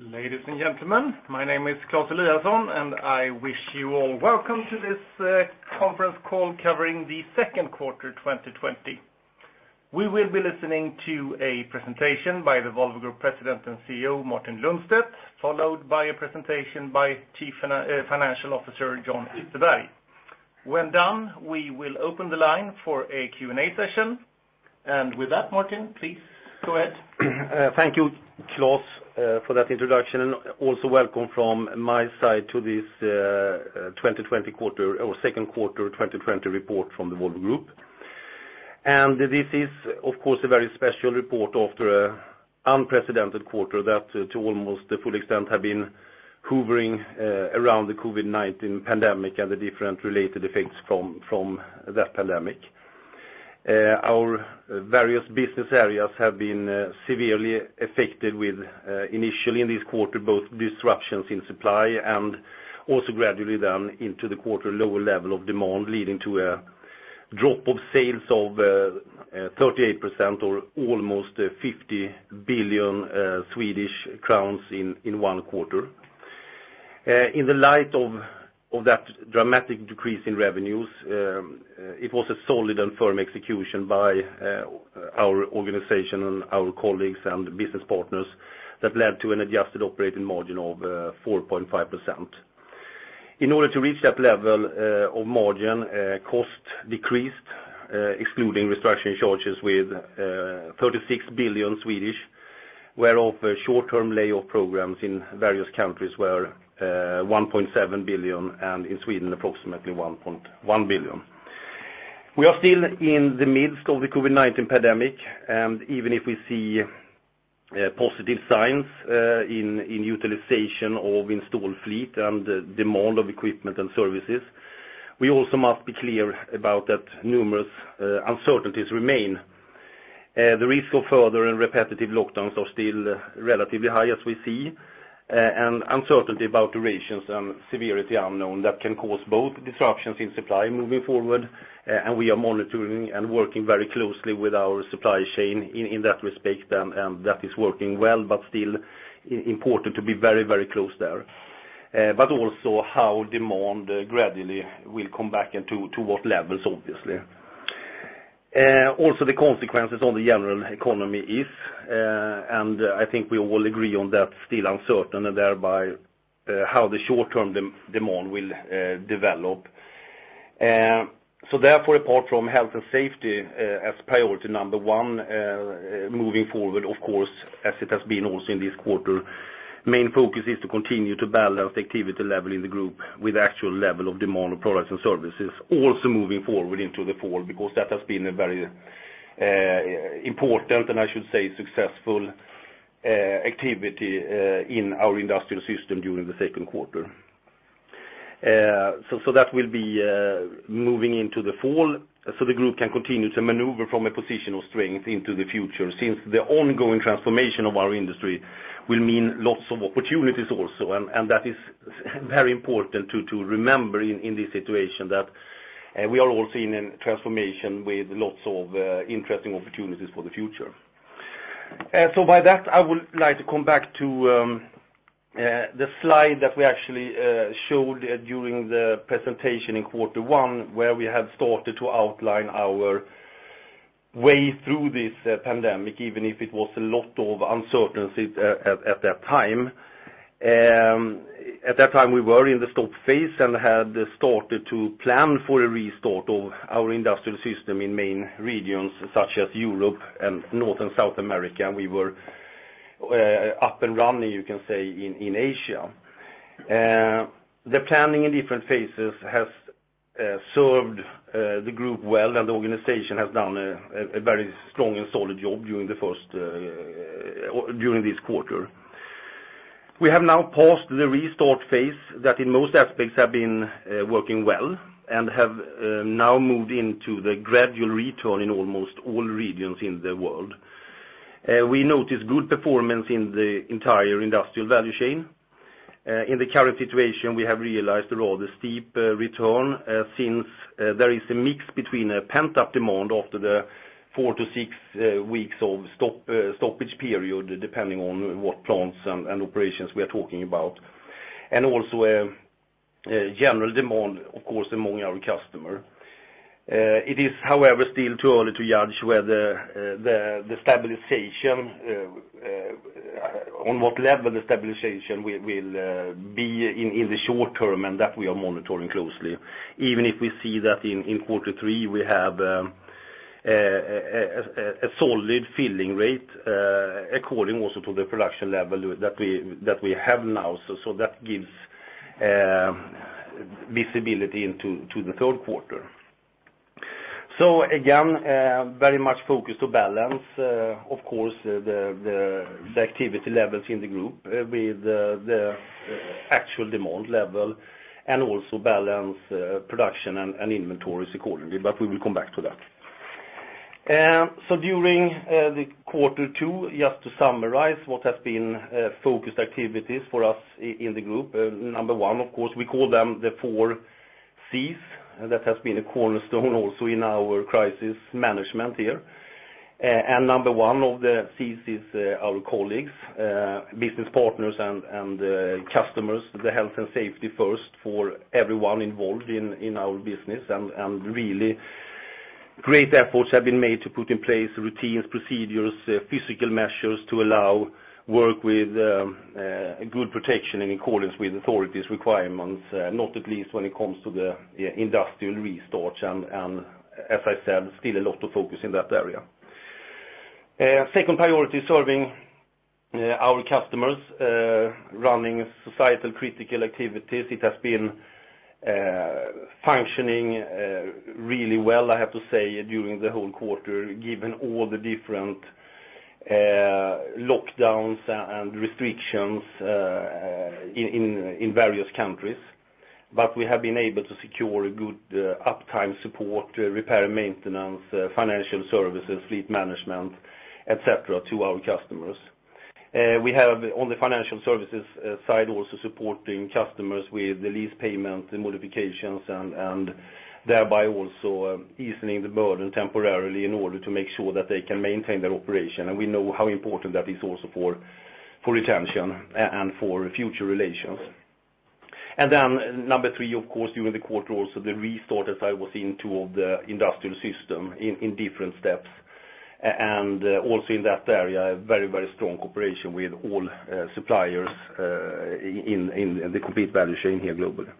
Ladies and gentlemen, my name is Claes Eliasson. I wish you all welcome to this conference call covering the second quarter 2020. We will be listening to a presentation by the Volvo Group President and CEO, Martin Lundstedt, followed by a presentation by Chief Financial Officer, Jan Ytterberg. When done, we will open the line for a Q&A session. With that, Martin, please go ahead. Thank you, Claes, for that introduction. Welcome from my side to this second quarter 2020 report from the Volvo Group. This is, of course, a very special report after a unprecedented quarter that to almost the full extent, have been hovering around the COVID-19 pandemic and the different related effects from that pandemic. Our various business areas have been severely affected with, initially in this quarter, both disruptions in supply and also gradually then into the quarter, lower level of demand, leading to a drop of sales of 38% or almost 50 billion Swedish crowns in one quarter. In the light of that dramatic decrease in revenues, it was a solid and firm execution by our organization and our colleagues and business partners that led to an adjusted operating margin of 4.5%. In order to reach that level of margin, cost decreased, excluding restructuring charges with 36 billion, whereof short-term layoff programs in various countries were 1.7 billion, and in Sweden, approximately 1.1 billion. We are still in the midst of the COVID-19 pandemic. Even if we see positive signs in utilization of installed fleet and demand of equipment and services, we also must be clear about that numerous uncertainties remain. The risk of further and repetitive lockdowns are still relatively high as we see, and uncertainty about durations and severity unknown that can cause both disruptions in supply moving forward, also how demand gradually will come back, and to what levels, obviously. We are monitoring and working very closely with our supply chain in that respect. That is working well. Still important to be very close there. The consequences on the general economy is, and I think we all agree on that, still uncertain, and thereby how the short-term demand will develop. Therefore, apart from health and safety as priority number one, moving forward, of course, as it has been also in this quarter, main focus is to continue to balance activity level in the group with actual level of demand of products and services. Moving forward into the fall, because that has been a very important, and I should say, successful activity in our industrial system during the second quarter. That will be moving into the fall, so the group can continue to maneuver from a position of strength into the future, since the ongoing transformation of our industry will mean lots of opportunities also. That is very important to remember in this situation that we are all seeing a transformation with lots of interesting opportunities for the future. With that, I would like to come back to the slide that we actually showed during the presentation in quarter 1, where we have started to outline our way through this pandemic, even if it was a lot of uncertainty at that time. At that time, we were in the stop phase and had started to plan for a restart of our industrial system in main regions such as Europe and North and South America. We were up and running, you can say, in Asia. The planning in different phases has served the group well, and the organization has done a very strong and solid job during this quarter. We have now passed the restart phase that in most aspects have been working well, and have now moved into the gradual return in almost all regions in the world. We notice good performance in the entire industrial value chain. In the current situation, we have realized a rather steep return, since there is a mix between a pent-up demand after the four to six weeks of stoppage period, depending on what plants and operations we are talking about, and also a general demand, of course, among our customer. It is, however, still too early to judge on what level the stabilization will be in the short term, and that we are monitoring closely, even if we see that in quarter three, we have a solid filling rate, according also to the production level that we have now. So that gives visibility into the third quarter. Again, very much focused to balance, of course, the activity levels in the group with the actual demand level, and also balance production and inventories accordingly, but we will come back to that. During the quarter two, just to summarize what has been focused activities for us in the group. Number 1, of course, we call them the four Cs. That has been a cornerstone also in our crisis management here. Number 1 of the C's is our colleagues, business partners and customers. The health and safety first for everyone involved in our business, really great efforts have been made to put in place routines, procedures, physical measures to allow work with good protection in accordance with authorities' requirements, not at least when it comes to the industrial restart. As I said, still a lot of focus in that area. Second priority is serving our customers, running societal critical activities. It has been functioning really well, I have to say, during the whole quarter, given all the different lockdowns and restrictions in various countries. We have been able to secure good uptime support, repair and maintenance, financial services, fleet management, et cetera, to our customers. We have on the financial services side also supporting customers with the lease payment modifications, and thereby also easing the burden temporarily in order to make sure that they can maintain their operation. We know how important that is also for retention and for future relations. Number 3, of course, during the quarter also, the restart, as I was saying, too, of the industrial system in different steps. Also in that area, a very strong cooperation with all suppliers in the complete value chain here globally.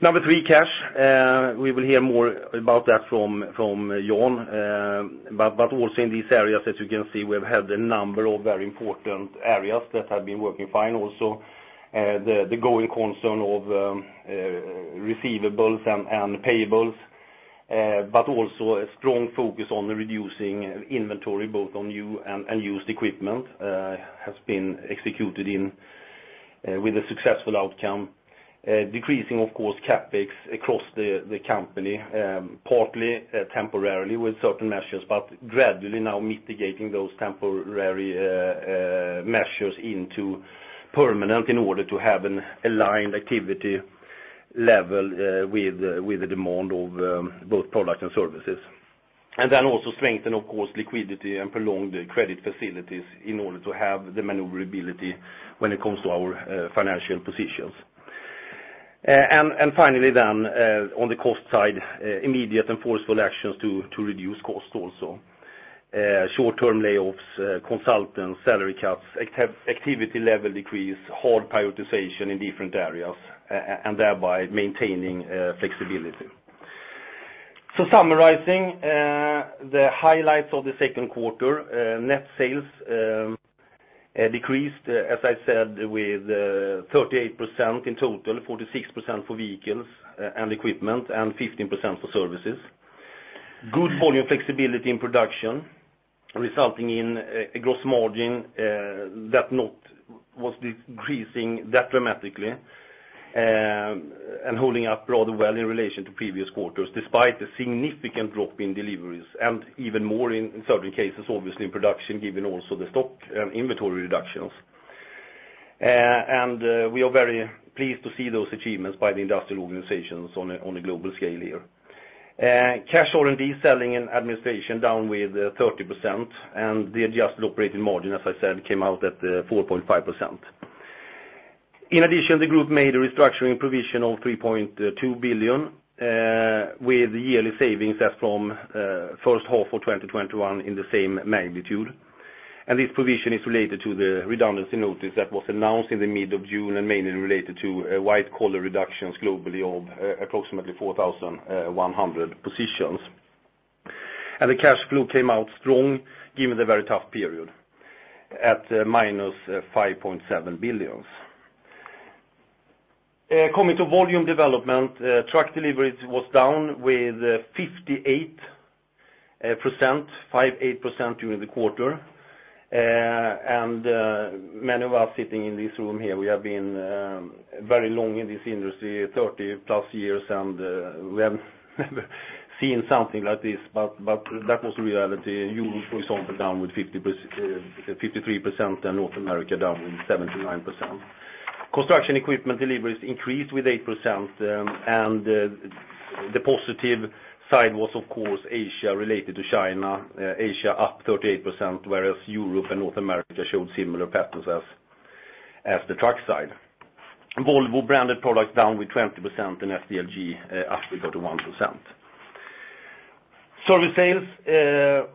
Number 3, cash. We will hear more about that from Jan. Also in these areas, as you can see, we've had a number of very important areas that have been working fine also. The going concern of receivables and payables, but also a strong focus on reducing inventory, both on new and used equipment, has been executed with a successful outcome. Decreasing, of course, CapEx across the company, partly temporarily with certain measures, but gradually now mitigating those temporary measures into permanent in order to have an aligned activity level with the demand of both product and services. Then also strengthen, of course, liquidity and prolong the credit facilities in order to have the maneuverability when it comes to our financial positions. Finally, then, on the cost side, immediate and forceful actions to reduce cost also. Short-term layoffs, consultants, salary cuts, activity level decrease, hard prioritization in different areas, and thereby maintaining flexibility. Summarizing, the highlights of the second quarter, net sales decreased, as I said, with 38% in total, 46% for vehicles and equipment, and 15% for services. Good volume flexibility in production, resulting in a gross margin that was not decreasing that dramatically, and holding up rather well in relation to previous quarters, despite the significant drop in deliveries, and even more in certain cases, obviously in production, given also the stock inventory reductions. We are very pleased to see those achievements by the industrial organizations on a global scale here. Cash, R&D, selling, and administration down with 30%, and the adjusted operating margin, as I said, came out at 4.5%. The group made a restructuring provision of 3.2 billion, with yearly savings as from first half of 2021 in the same magnitude. This provision is related to the redundancy notice that was announced in mid of June and mainly related to white-collar reductions globally of approximately 4,100 positions. The cash flow came out strong, given the very tough period, at -5.7 billion. Coming to volume development, truck deliveries was down with 58% during the quarter. Many of us sitting in this room here, we have been very long in this industry, 30 plus years, and we have never seen something like this. That was reality. Europe, for example, down with 53%, North America down with 79%. Construction equipment deliveries increased with 8%, and the positive side was, of course, Asia, related to China. Asia up 38%, whereas Europe and North America showed similar patterns as the truck side. Volvo-branded products down with 20%, SDLG up with 31%. Service sales,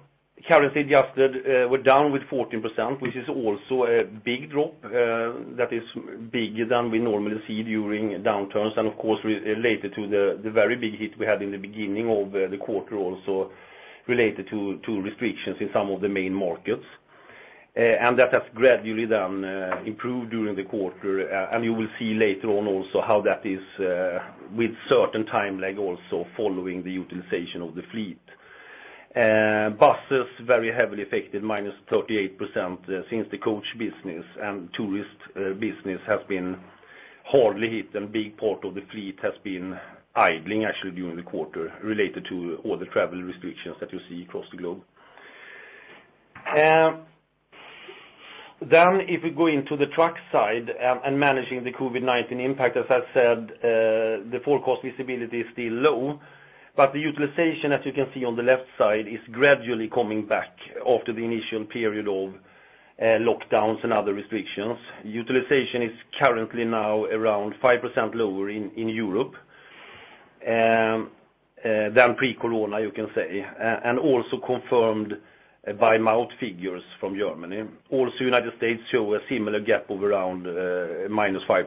currency-adjusted, were down with 14%, which is also a big drop that is bigger than we normally see during downturns. Of course, related to the very big hit we had in the beginning of the quarter also related to restrictions in some of the main markets. That has gradually then improved during the quarter, and you will see later on also how that is, with certain time lag also, following the utilization of the fleet. Buses very heavily affected, -38%, since the coach business and tourist business has been hardly hit, and big part of the fleet has been idling actually during the quarter, related to all the travel restrictions that you see across the globe. If we go into the truck side and managing the COVID-19 impact, as I said, the forecast visibility is still low, but the utilization, as you can see on the left side, is gradually coming back after the initial period of lockdowns and other restrictions. Utilization is currently now around 5% lower in Europe than pre-corona, you can say, and also confirmed by Maut figures from Germany. Also, U.S. show a similar gap of around minus 5%.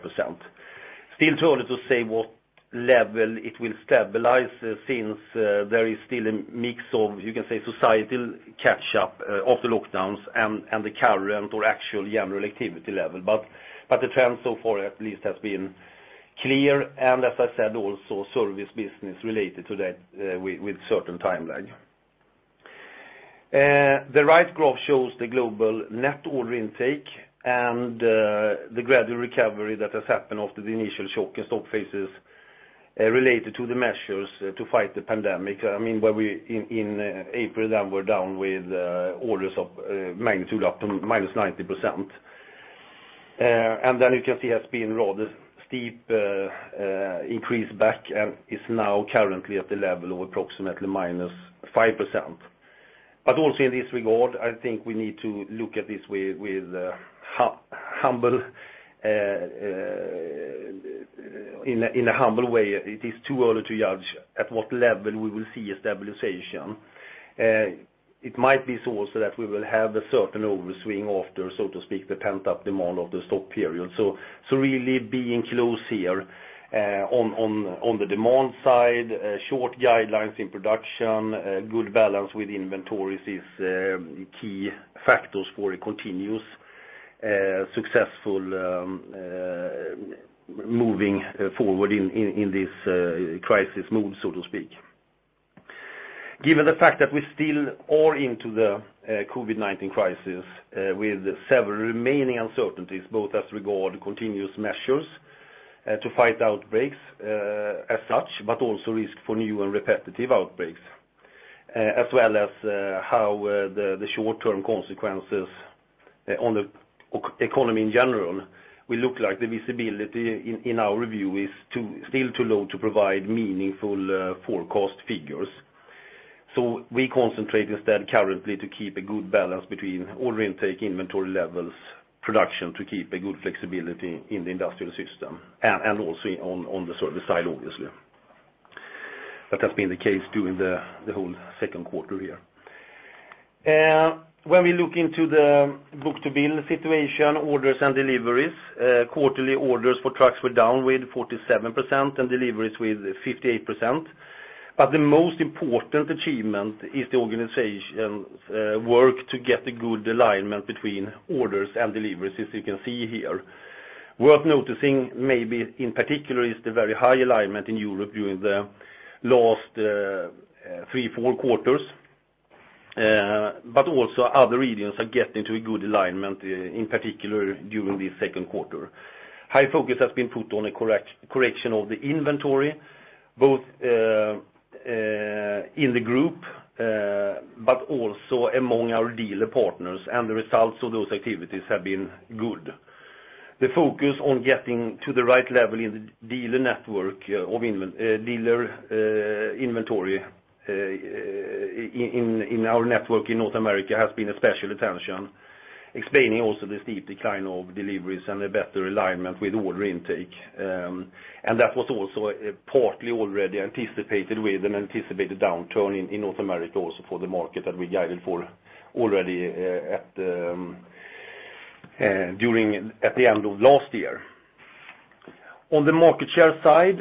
Still too early to say what level it will stabilize since there is still a mix of, you can say, societal catch-up of the lockdowns and the current or actual general activity level. The trend so far at least has been clear, and as I said, also service business related to that with certain timeline. The right graph shows the global net order intake and the gradual recovery that has happened after the initial shock and stop phases related to the measures to fight the pandemic. In April, we're down with orders of magnitude up to -90%. You can see has been rather steep increase back and is now currently at the level of approximately -5%. Also in this regard, I think we need to look at this in a humble way. It is too early to judge at what level we will see a stabilization. It might be so also that we will have a certain overswing after, so to speak, the pent-up demand of the stock period. Really being close here on the demand side, short guidelines in production, good balance with inventories is key factors for a continuous successful moving forward in this crisis mode, so to speak. Given the fact that we still are into the COVID-19 crisis with several remaining uncertainties, both as regard continuous measures to fight outbreaks as such, but also risk for new and repetitive outbreaks, as well as how the short-term consequences on the economy, in general, will look like. The visibility in our review is still too low to provide meaningful forecast figures. We concentrate instead currently to keep a good balance between order intake, inventory levels, production to keep a good flexibility in the industrial system and also on the service side, obviously. That has been the case during the whole second quarter here. When we look into the book-to-bill situation, orders and deliveries, quarterly orders for trucks were down with 47% and deliveries with 58%. The most important achievement is the organization's work to get a good alignment between orders and deliveries, as you can see here. Worth noticing, maybe in particular, is the very high alignment in Europe during the last three, four quarters, but also other regions are getting to a good alignment, in particular, during the second quarter. High focus has been put on a correction of the inventory, both in the group, but also among our dealer partners, and the results of those activities have been good. The focus on getting to the right level in the dealer network of dealer inventory in our network in North America has been a special attention, explaining also the steep decline of deliveries and a better alignment with order intake. That was also partly already anticipated with an anticipated downturn in North America also for the market that we guided for already at the end of last year. On the market share side,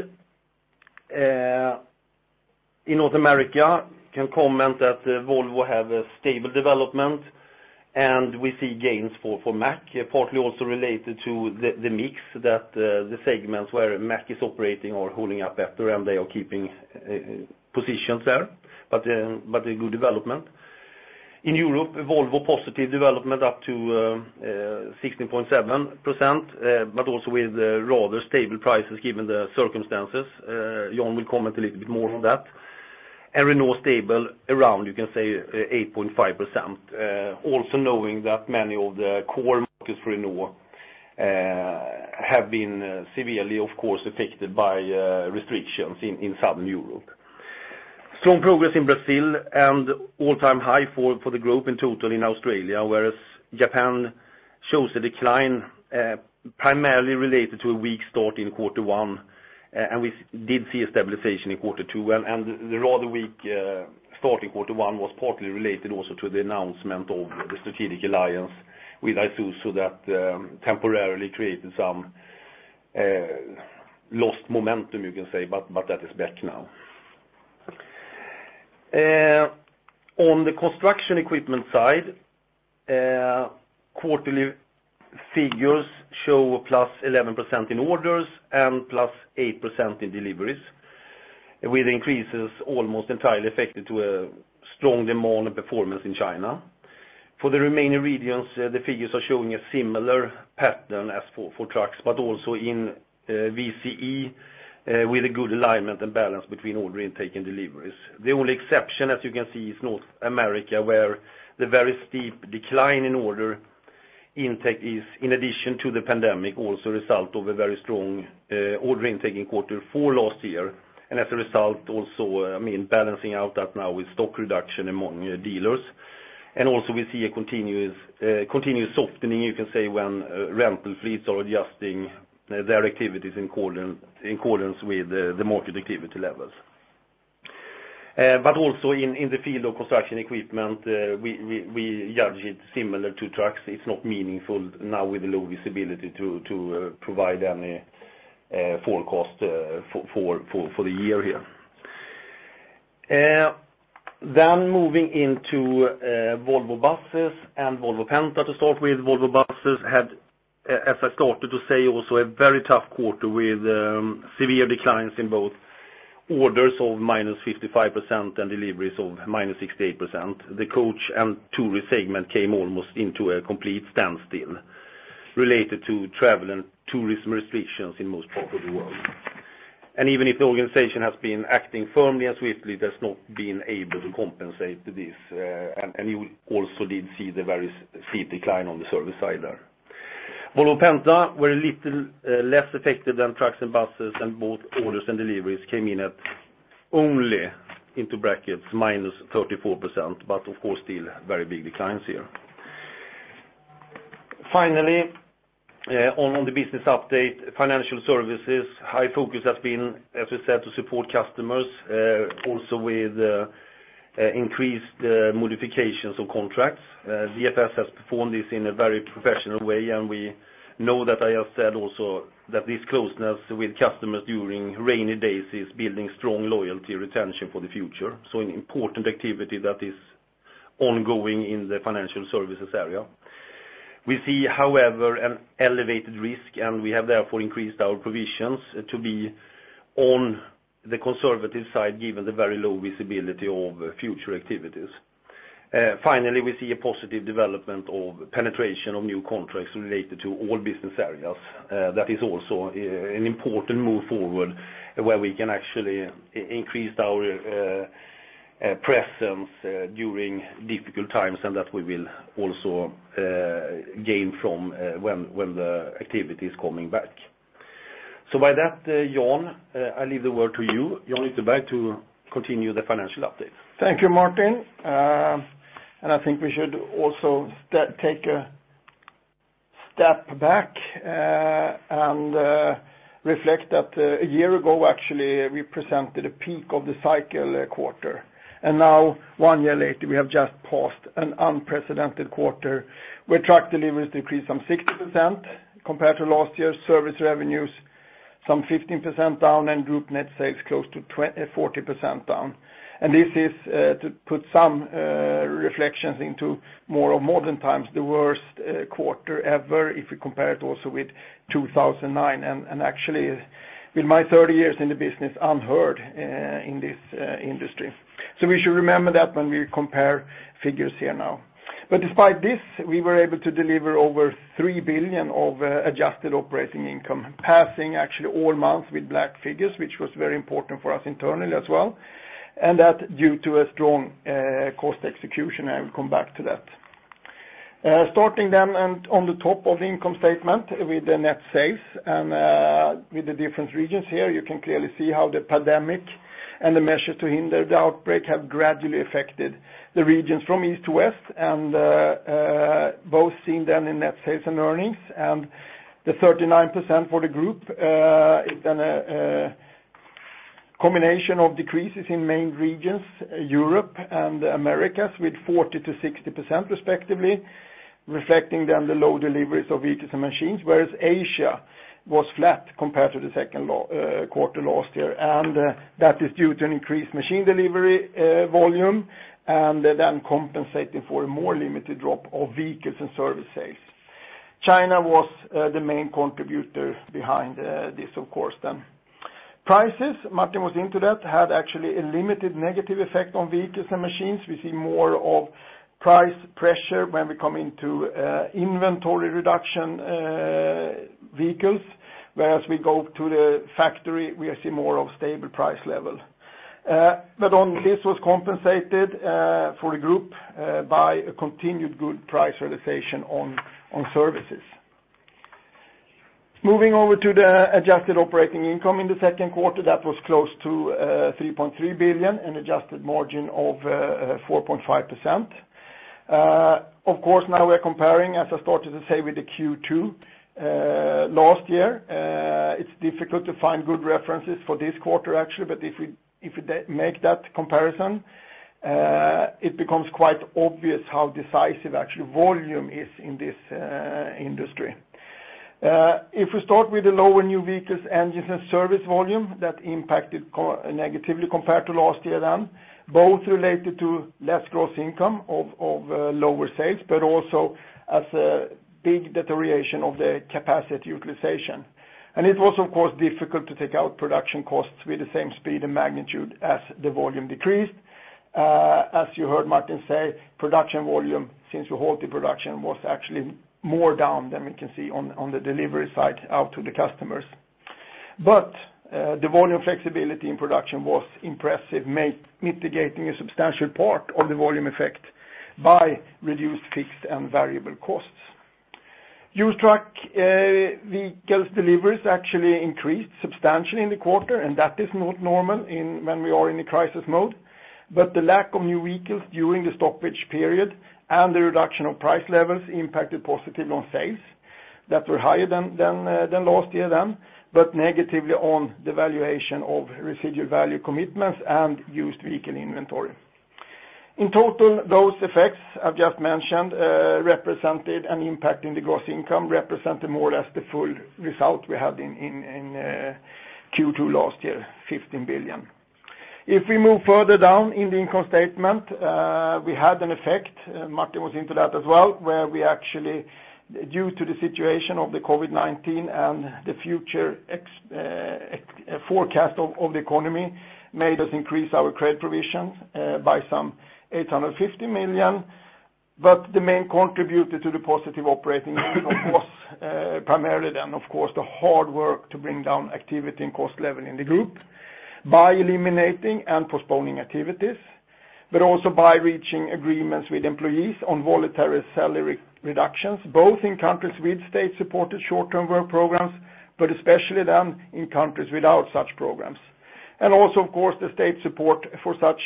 in North America, can comment that Volvo have a stable development, and we see gains for Mack, partly also related to the mix that the segments where Mack is operating are holding up better, and they are keeping positions there, but a good development. In Europe, Volvo positive development up to 16.7%, also with rather stable prices given the circumstances. Jan will comment a little bit more on that. Renault stable around, you can say, 8.5%, also knowing that many of the core markets for Renault have been severely, of course, affected by restrictions in Southern Europe. Strong progress in Brazil and all-time high for the group in total in Australia, whereas Japan shows a decline primarily related to a weak start in quarter one, we did see a stabilization in quarter two. The rather weak start in quarter one was partly related also to the announcement of the strategic alliance with Isuzu that temporarily created some lost momentum, you can say, that is back now. On the construction equipment side, quarterly figures show +11% in orders and +8% in deliveries, with increases almost entirely affected to a strong demand performance in China. For the remaining regions, the figures are showing a similar pattern as for trucks, also in VCE, with a good alignment and balance between order intake and deliveries. The only exception, as you can see, is North America, where the very steep decline in order intake is, in addition to the pandemic, also a result of a very strong order intake in quarter four of last year. As a result, also balancing out that now with stock reduction among dealers. Also we see a continuous softening, you can say, when rental fleets are adjusting their activities in accordance with the market activity levels. Also in the field of construction equipment, we judge it similar to trucks. It's not meaningful now with the low visibility to provide any forecast for the year here. Moving into Volvo Buses and Volvo Penta. To start with, Volvo Buses had, as I started to say, also a very tough quarter with severe declines in both orders of -55% and deliveries of -68%. The coach and tourist segment came almost into a complete standstill related to travel and tourism restrictions in most parts of the world. Even if the organization has been acting firmly and swiftly, it has not been able to compensate this. You also did see the very steep decline on the service side there. Volvo Penta were a little less effective than trucks and buses, and both orders and deliveries came in at "only" -34%, but of course, still very big declines here. Finally, on the business update, financial services, high focus has been, as we said, to support customers, also with increased modifications of contracts. VFS has performed this in a very professional way. We know that I have said also that this closeness with customers during rainy days is building strong loyalty retention for the future. An important activity that is ongoing in the financial services area. We see, however, an elevated risk. We have therefore increased our provisions to be on the conservative side, given the very low visibility of future activities. Finally, we see a positive development of penetration of new contracts related to all business areas. That is also an important move forward, where we can actually increase our presence during difficult times. That we will also gain from when the activity is coming back. With that, Jan, I leave the word to you. Jan, it's back to continue the financial update. Thank you, Martin. I think we should also take a step back and reflect that a year ago, actually, we presented a peak of the cycle quarter. Now, one year later, we have just passed an unprecedented quarter where truck deliveries decreased 60% compared to last year's service revenues, 15% down, and group net sales 40% down. This is, to put some reflections into more modern times, the worst quarter ever if we compare it also with 2009. Actually, with my 30 years in the business, unheard in this industry. We should remember that when we compare figures here now. Despite this, we were able to deliver over 3 billion of adjusted operating income, passing actually all months with black figures, which was very important for us internally as well, and that due to a strong cost execution. I will come back to that. Starting on the top of the income statement with the net sales and with the different regions here, you can clearly see how the pandemic and the measures to hinder the outbreak have gradually affected the regions from east to west, both seen in net sales and earnings. The 39% for the group is a combination of decreases in main regions, Europe and Americas, with 40%-60% respectively, reflecting the low deliveries of vehicles and machines. Asia was flat compared to the second quarter last year, that is due to an increased machine delivery volume, then compensating for a more limited drop of vehicles and service sales. China was the main contributor behind this, of course. Prices, Martin was into that, had actually a limited negative effect on vehicles and machines. We see more of price pressure when we come into inventory reduction vehicles. Whereas we go to the factory, we see more of stable price level. This was compensated for the group by a continued good price realization on services. Moving over to the adjusted operating income in the second quarter, that was close to 3.3 billion, an adjusted margin of 4.5%. Of course, now we're comparing, as I started to say, with the Q2 last year. It's difficult to find good references for this quarter, actually. If we make that comparison, it becomes quite obvious how decisive actually volume is in this industry. If we start with the lower new vehicles, engines, and service volume, that impacted negatively compared to last year then, both related to less gross income of lower sales, but also as a big deterioration of the capacity utilization. It was, of course, difficult to take out production costs with the same speed and magnitude as the volume decreased. As you heard Martin say, production volume, since we halt the production, was actually more down than we can see on the delivery side out to the customers. The volume flexibility in production was impressive, mitigating a substantial part of the volume effect by reduced fixed and variable costs. Used truck vehicles deliveries actually increased substantially in the quarter, and that is not normal when we are in a crisis mode. The lack of new vehicles during the stoppage period and the reduction of price levels impacted positively on sales that were higher than last year, but negatively on the valuation of residual value commitments and used vehicle inventory. In total, those effects I've just mentioned, represented an impact in the gross income, represented more or less the full result we had in Q2 last year, 15 billion. If we move further down in the income statement, we had an effect, Martin was into that as well, where we actually, due to the situation of the COVID-19 and the future forecast of the economy, made us increase our credit provisions by some 850 million. The main contributor to the positive operating income was primarily, the hard work to bring down activity and cost level in the group by eliminating and postponing activities, but also by reaching agreements with employees on voluntary salary reductions, both in countries with state-supported short-term work programs, but especially in countries without such programs. Also, the state support for such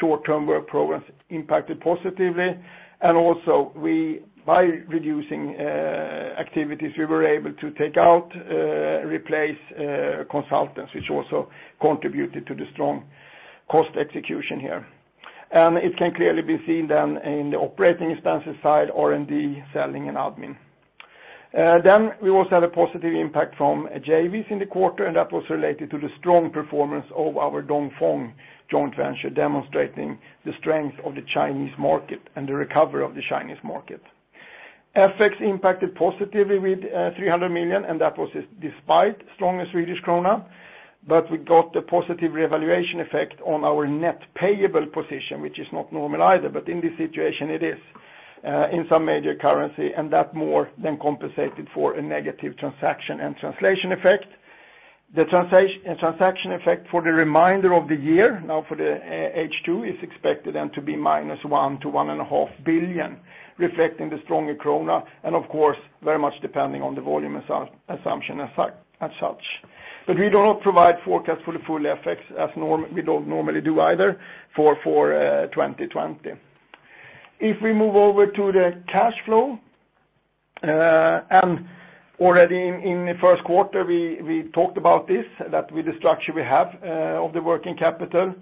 short-term work programs impacted positively. Also by reducing activities, we were able to take out, replace consultants, which also contributed to the strong cost execution here. It can clearly be seen then in the operating expenses side, R&D, selling and admin. We also had a positive impact from JVs in the quarter, and that was related to the strong performance of our Dongfeng joint venture, demonstrating the strength of the Chinese market and the recovery of the Chinese market. FX impacted positively with 300 million, and that was despite stronger Swedish krona. We got a positive revaluation effect on our net payable position, which is not normal either. In this situation, it is, in some major currency, and that more than compensated for a negative transaction and translation effect. The transaction effect for the remainder of the year, now for the H2, is expected then to be minus 1 billion to 1.5 billion, reflecting the stronger krona, and of course, very much depending on the volume assumption as such. We do not provide forecast for the full FX as we do not normally do either for 2020. If we move over to the cash flow, and already in the first quarter, we talked about this, that with the structure we have of the working capital,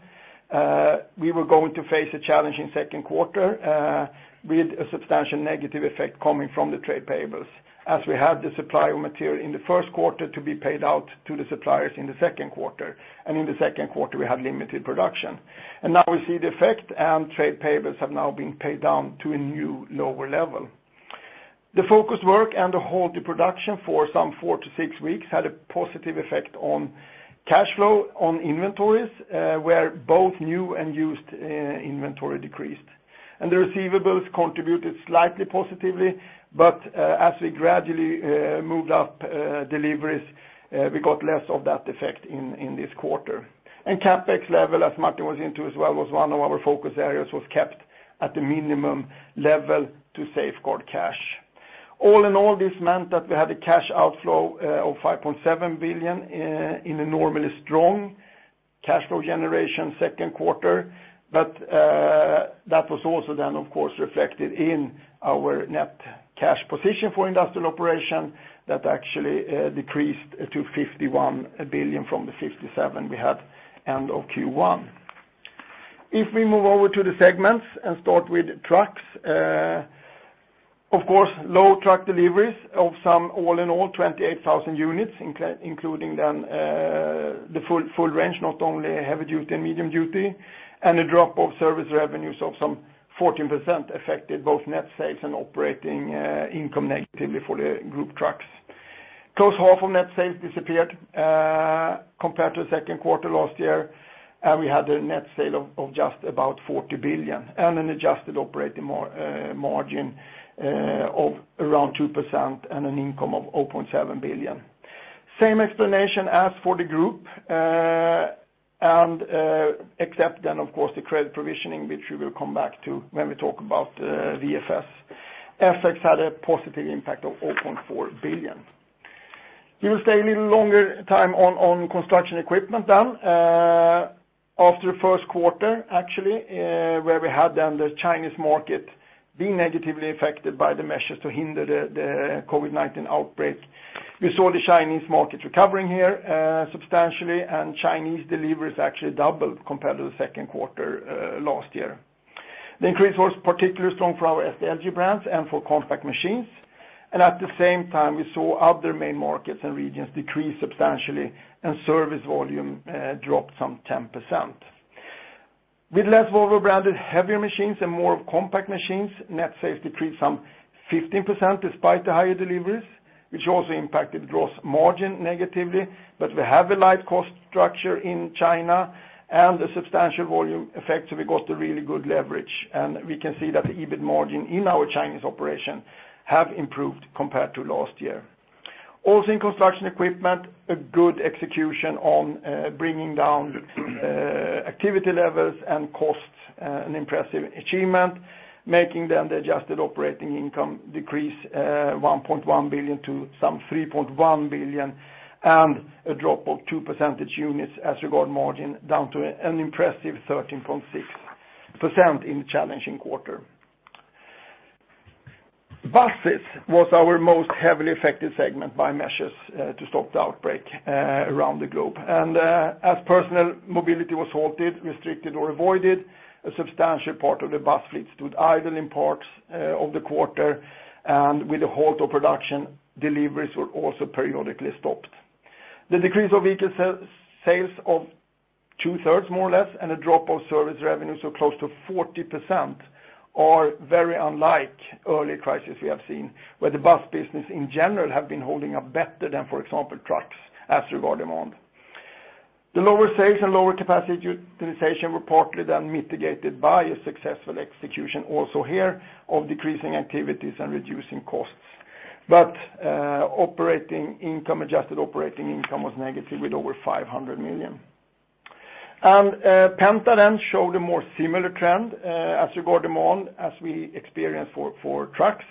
we were going to face a challenge in second quarter, with a substantial negative effect coming from the trade payables as we had the supply of material in the first quarter to be paid out to the suppliers in the second quarter, and in the second quarter, we had limited production. Now we see the effect, trade payables have now been paid down to a new, lower level. The focus work and the halted production for some four to six weeks had a positive effect on cash flow on inventories, where both new and used inventory decreased. The receivables contributed slightly positively, as we gradually moved up deliveries, we got less of that effect in this quarter. CapEx level, as Martin was into as well, was one of our focus areas, was kept at a minimum level to safeguard cash. All in all, this meant that we had a cash outflow of 5.7 billion in a normally strong cash flow generation second quarter, that was also then, of course, reflected in our net cash position for industrial operation that actually decreased to 51 billion from the 57 billion we had end of Q1. We move over to the segments and start with trucks. Low truck deliveries of some all in all 28,000 units, including the full range, not only heavy-duty and medium-duty, and a drop of service revenues of some 14% affected both net sales and operating income negatively for the group trucks. Close to half of net sales disappeared, compared to the second quarter last year. We had a net sale of just about 40 billion and an adjusted operating margin of around 2% and an income of 0.7 billion. Same explanation as for the group, except the credit provisioning, which we will come back to when we talk about VFS. FX had a positive impact of 0.4 billion. We will stay a little longer time on Construction Equipment. After the first quarter, actually, where we had then the Chinese market being negatively affected by the measures to hinder the COVID-19 outbreak. We saw the Chinese market recovering here substantially, and Chinese deliveries actually doubled compared to the second quarter last year. The increase was particularly strong for our SDLG brands and for compact machines. At the same time, we saw other main markets and regions decrease substantially, service volume dropped 10%. With less Volvo-branded heavier machines and more of compact machines, net sales decreased 15% despite the higher deliveries, which also impacted gross margin negatively. We have a light cost structure in China and a substantial volume effect, so we got a really good leverage. We can see that the EBIT margin in our Chinese operation have improved compared to last year. Also in construction equipment, a good execution on bringing down activity levels and costs, an impressive achievement, making then the adjusted operating income decrease 1.1 billion to some 3.1 billion, and a drop of two percentage units as regard margin, down to an impressive 13.6% in a challenging quarter. Buses was our most heavily affected segment by measures to stop the outbreak around the globe. As personal mobility was halted, restricted, or avoided, a substantial part of the bus fleet stood idle in parts of the quarter, and with a halt of production, deliveries were also periodically stopped. The decrease of vehicle sales of two-thirds, more or less, and a drop of service revenue, close to 40%, are very unlike early crisis we have seen, where the bus business, in general, have been holding up better than, for example, trucks as regard demand. Adjusted operating income was negative with over 500 million. Volvo Penta showed a more similar trend as regard demand as we experienced for trucks.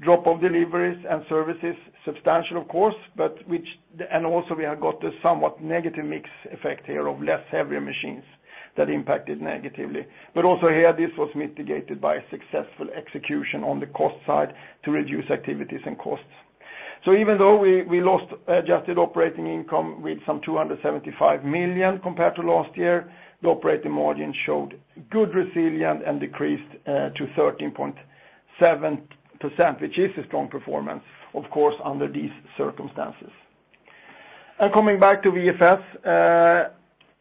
Drop of deliveries and services, substantial of course, and also we have got a somewhat negative mix effect here of less heavier machines that impacted negatively. Also here, this was mitigated by a successful execution on the cost side to reduce activities and costs. Even though we lost adjusted operating income with some 275 million compared to last year, the operating margin showed good resilience and decreased to 13.7%, which is a strong performance, of course, under these circumstances. Coming back to VFS,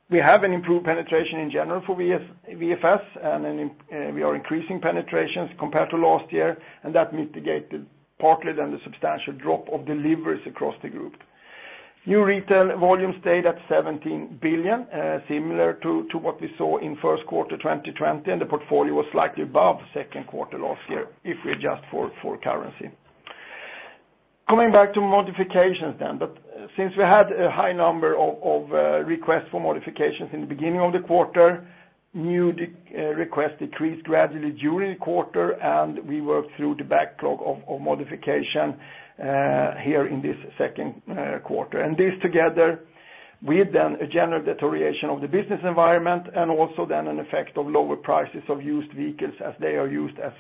we have an improved penetration in general for VFS, and we are increasing penetrations compared to last year, and that mitigated partly then the substantial drop of deliveries across the group. New retail volume stayed at 17 billion, similar to what we saw in first quarter 2020, and the portfolio was slightly above second quarter last year if we adjust for currency. Coming back to modifications then. Since we had a high number of requests for modifications in the beginning of the quarter, new requests decreased gradually during the quarter, and we worked through the backlog of modification here in this second quarter. This together with then a general deterioration of the business environment and also then an effect of lower prices of used vehicles as they are used as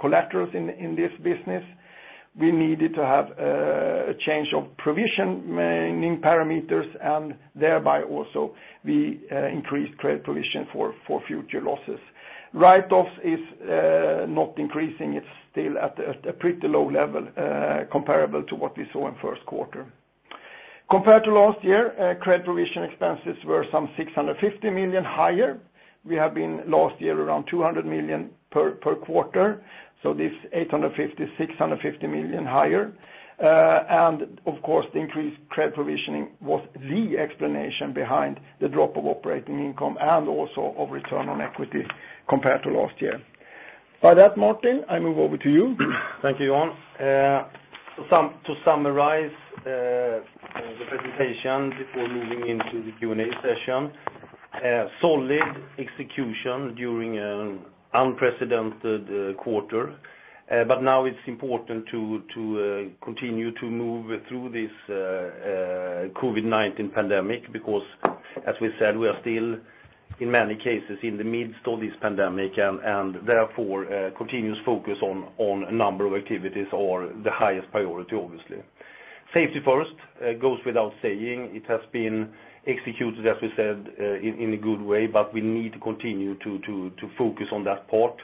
collaterals in this business, we needed to have a change of provisioning parameters, and thereby also we increased credit provision for future losses. Write-offs is not increasing. It's still at a pretty low level comparable to what we saw in first quarter. Compared to last year, credit provision expenses were some 650 million higher. We have been last year around 200 million per quarter, so this 850, 650 million higher. Of course, the increased credit provisioning was the explanation behind the drop of operating income and also of return on equity compared to last year. By that, Martin, I move over to you. Thank you, Jan. To summarize the presentation before moving into the Q&A session, solid execution during an unprecedented quarter. Now it's important to continue to move through this COVID-19 pandemic, because as we said, we are still, in many cases, in the midst of this pandemic, and therefore, continuous focus on a number of activities are the highest priority, obviously. Safety first, goes without saying. It has been executed, as we said, in a good way, but we need to continue to focus on that part.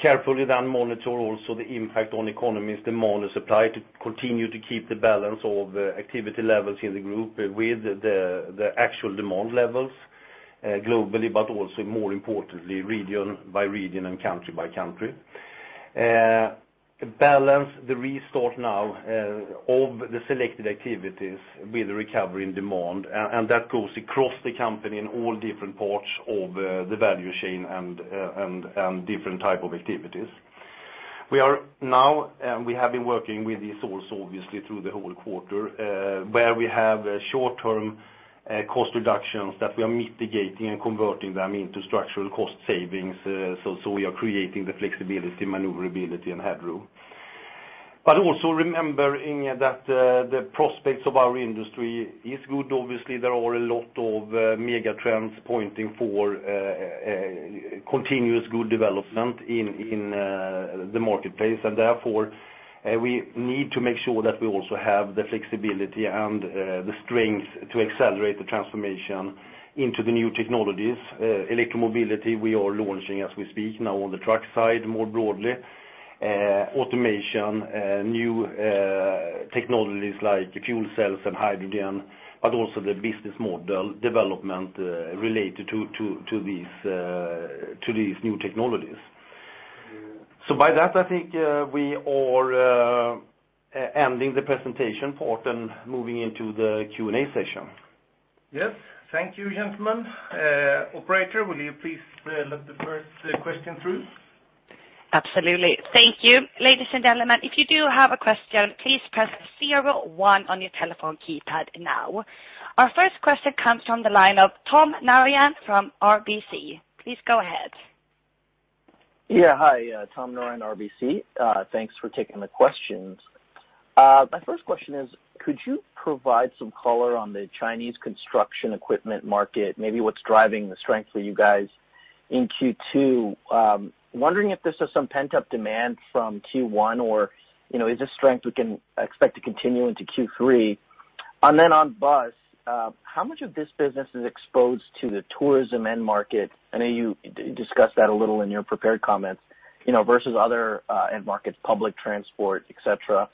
Carefully then monitor also the impact on economies, demand and supply, to continue to keep the balance of activity levels in the group with the actual demand levels globally, but also more importantly, region by region and country by country. Balance the restart now of the selected activities with the recovery in demand, that goes across the company in all different parts of the value chain and different type of activities. We have been working with this also, obviously, through the whole quarter, where we have short-term cost reductions that we are mitigating and converting them into structural cost savings, we are creating the flexibility, maneuverability and headroom. Also remembering that the prospects of our industry is good. Obviously, there are a lot of mega trends pointing for continuous good development in the marketplace, therefore, we need to make sure that we also have the flexibility and the strength to accelerate the transformation into the new technologies. Electromobility, we are launching as we speak now on the truck side, more broadly. Automation, new technologies like fuel cells and hydrogen, also the business model development related to these new technologies. By that, I think we are ending the presentation part and moving into the Q&A session. Yes. Thank you, gentlemen. Operator, will you please let the first question through? Absolutely. Thank you. Ladies and gentlemen, if you do have a question, please press 01 on your telephone keypad now. Our first question comes from the line of Tom Narayan from RBC. Please go ahead. Yeah. Hi, Tom Narayan, RBC. Thanks for taking the questions. My first question is, could you provide some color on the Chinese construction equipment market, maybe what's driving the strength for you guys in Q2? I'm wondering if this is some pent-up demand from Q1, or is this strength we can expect to continue into Q3? On bus, how much of this business is exposed to the tourism end market? I know you discussed that a little in your prepared comments, versus other end markets, public transport, et cetera.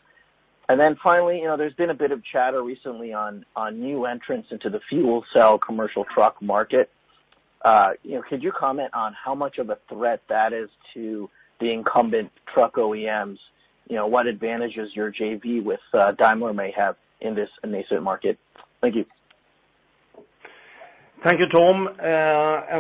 Finally, there's been a bit of chatter recently on new entrants into the fuel cell commercial truck market. Could you comment on how much of a threat that is to the incumbent truck OEMs? What advantages your JV with Daimler may have in this nascent market? Thank you. Thank you, Tom.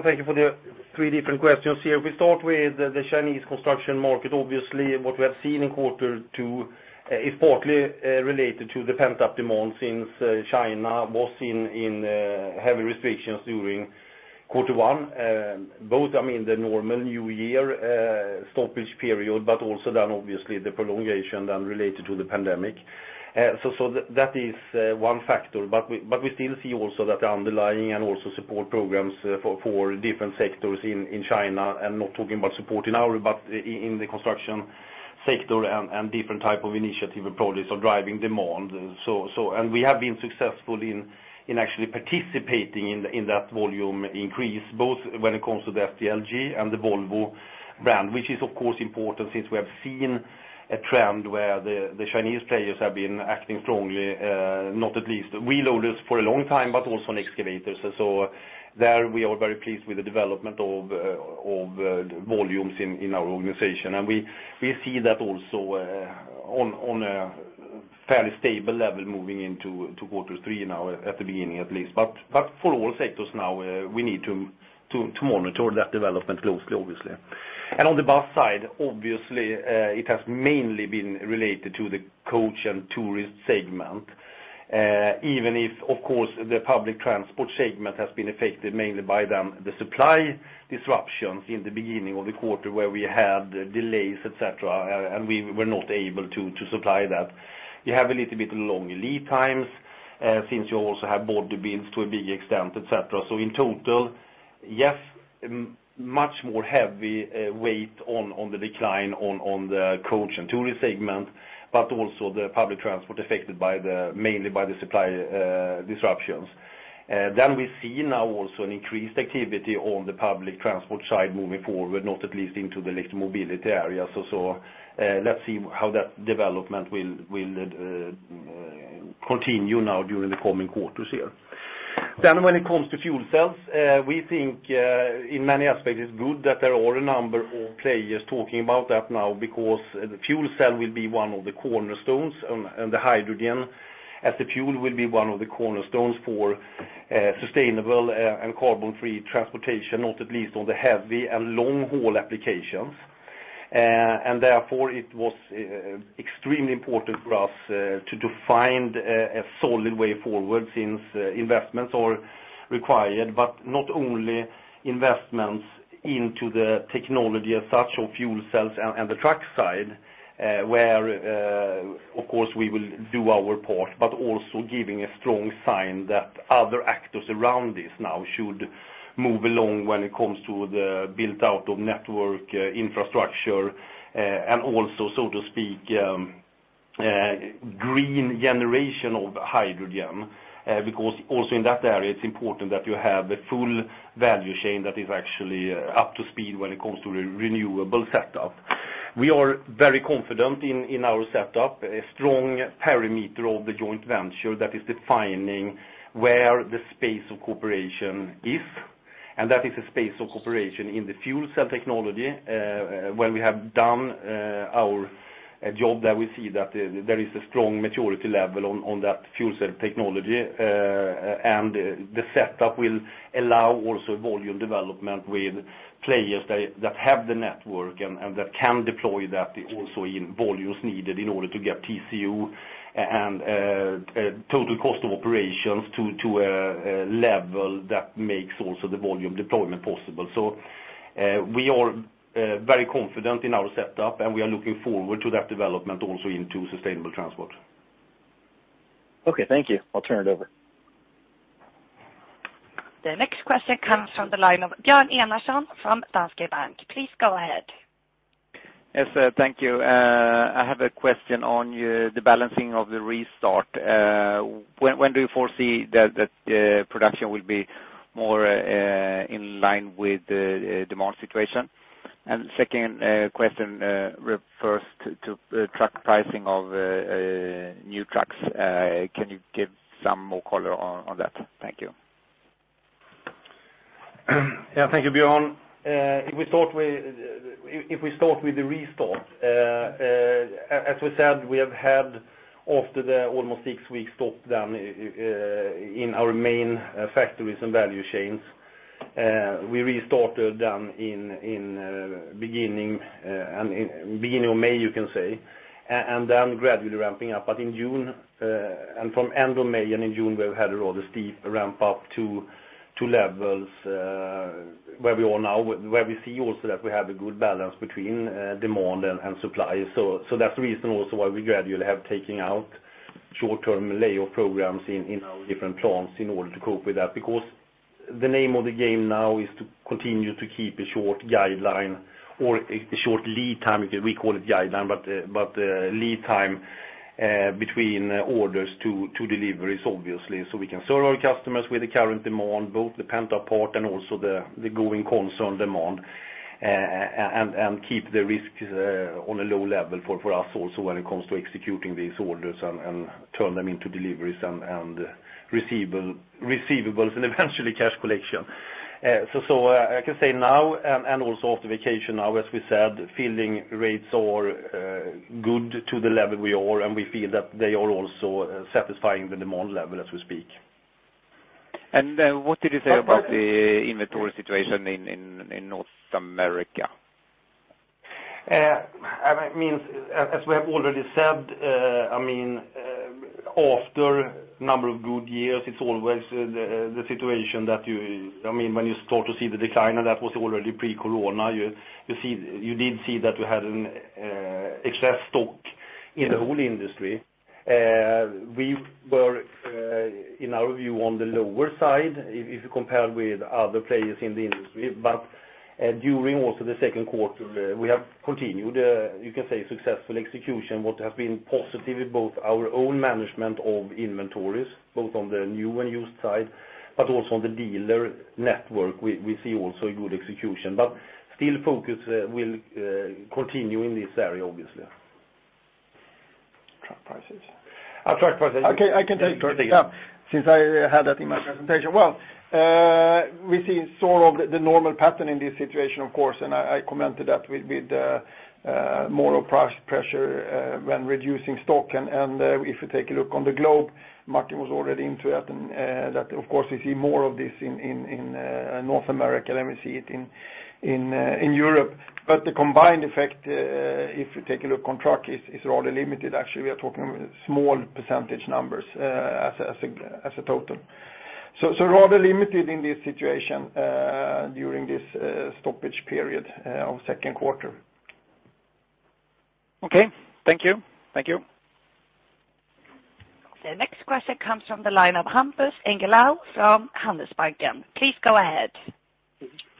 Thank you for the three different questions here. If we start with the Chinese construction market, obviously, what we have seen in quarter two is partly related to the pent-up demand since China was in heavy restrictions during quarter one, both, the normal New Year stoppage period, but also then obviously the prolongation then related to the pandemic. That is one factor, but we still see also that the underlying and also support programs for different sectors in China, and not talking about support now, but in the construction sector and different type of initiative approaches are driving demand. We have been successful in actually participating in that volume increase, both when it comes to the SDLG and the Volvo brand, which is of course important since we have seen a trend where the Chinese players have been acting strongly, not at least wheel loaders for a long time, but also on excavators. There we are very pleased with the development of volumes in our organization. We see that also on a fairly stable level moving into quarter 3 now at the beginning at least. For all sectors now, we need to monitor that development closely, obviously. On the bus side, obviously, it has mainly been related to the coach and tourist segment. Even if, of course, the public transport segment has been affected mainly by the supply disruptions in the beginning of the quarter where we had delays, et cetera, and we were not able to supply that. You have a little bit long lead times, since you also have body builds to a big extent, et cetera. In total, yes, much more heavy weight on the decline on the coach and tourist segment, but also the public transport affected mainly by the supply disruptions. We see now also an increased activity on the public transport side moving forward, not at least into the light mobility area. Let's see how that development will continue now during the coming quarters here. When it comes to fuel cells, we think in many aspects it's good that there are a number of players talking about that now, because the fuel cell will be one of the cornerstones, and the hydrogen as the fuel will be one of the cornerstones for sustainable and carbon-free transportation, not at least on the heavy and long-haul applications. Therefore, it was extremely important for us to find a solid way forward since investments are required, but not only investments into the technology as such or fuel cells and the truck side, where, of course, we will do our part, but also giving a strong sign that other actors around this now should move along when it comes to the build-out of network infrastructure, and also, so to speak, green generation of hydrogen. Also in that area, it's important that you have a full value chain that is actually up to speed when it comes to renewable setup. We are very confident in our setup, a strong parameter of the joint venture that is defining where the space of cooperation is, and that is a space of cooperation in the fuel cell technology, where we have done our job there. We see that there is a strong maturity level on that fuel cell technology. The setup will allow also volume development with players that have the network and that can deploy that also in volumes needed in order to get TCO and total cost of operations to a level that makes also the volume deployment possible. We are very confident in our setup, and we are looking forward to that development also into sustainable transport. Okay. Thank you. I'll turn it over. The next question comes from the line of Björn Enarson from Danske Bank. Please go ahead. Yes, thank you. I have a question on the balancing of the restart. When do you foresee that production will be more in line with the demand situation? Second question refers to truck pricing of new trucks. Can you give some more color on that? Thank you. Yeah. Thank you, Björn. If we start with the restart, as we said, we have had almost six weeks stop down in our main factories and value chains. We restarted them beginning of May, you can say, and then gradually ramping up. In June, and from end of May and in June, we've had a rather steep ramp up to levels, where we are now, where we see also that we have a good balance between demand and supply. That's the reason also why we gradually have taken out short-term layoff programs in our different plants in order to cope with that. The name of the game now is to continue to keep a short guideline or a short lead time. We call it guideline, lead time between orders to deliveries, obviously. We can serve our customers with the current demand, both the pent-up part and also the going concern demand, and keep the risks on a low level for us also when it comes to executing these orders and turn them into deliveries and receivables, and eventually cash collection. I can say now, and also after vacation now, as we said, filling rates are good to the level we are, and we feel that they are also satisfying the demand level as we speak. What did you say about the inventory situation in North America? As we have already said, after a number of good years, it's always the situation that when you start to see the decline, and that was already pre-corona, you did see that we had an excess stock in the whole industry. We were, in our view, on the lower side, if you compare with other players in the industry. During also the second quarter, we have continued, you can say, successful execution, what have been positive in both our own management of inventories, both on the new and used side, but also on the dealer network, we see also a good execution. Still focus will continue in this area, obviously. Truck prices. Okay. I can take that since I had that in my presentation. Well, we see sort of the normal pattern in this situation, of course, I commented that with more of price pressure when reducing stock. If you take a look on the globe, Martin was already into that. That, of course, we see more of this in North America than we see it in Europe. The combined effect, if you take a look on truck, is rather limited. Actually, we are talking small percentage numbers as a total. Rather limited in this situation during this stoppage period of second quarter. Okay. Thank you. Thank you. The next question comes from the line of Hampus Engellau from Handelsbanken. Please go ahead.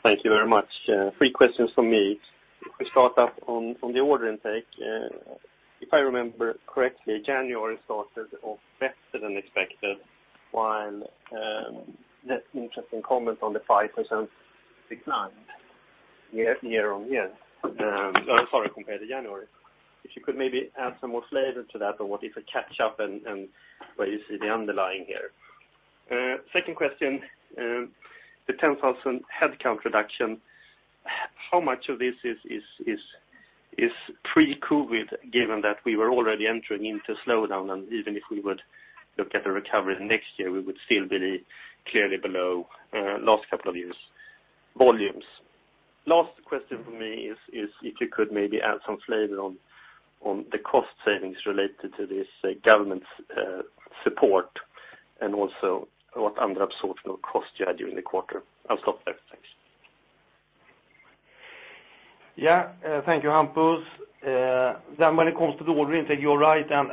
Thank you very much. Three questions from me. To start up on the order intake, if I remember correctly, January started off better than expected, while that interesting comment on the 5% decline year-on-year. Sorry, compared to January. If you could maybe add some more flavor to that, or if it catch up and where you see the underlying here. Second question, the 10,000 headcount reduction. How much of this is pre-COVID-19, given that we were already entering into slowdown, and even if we would look at a recovery next year, we would still be clearly below last couple of years' volumes. Last question from me is if you could maybe add some flavor on the cost savings related to this government support, and also what other absorption of cost you had during the quarter. I'll stop there. Thanks. Thank you, Hampus. When it comes to the order intake, you're right, and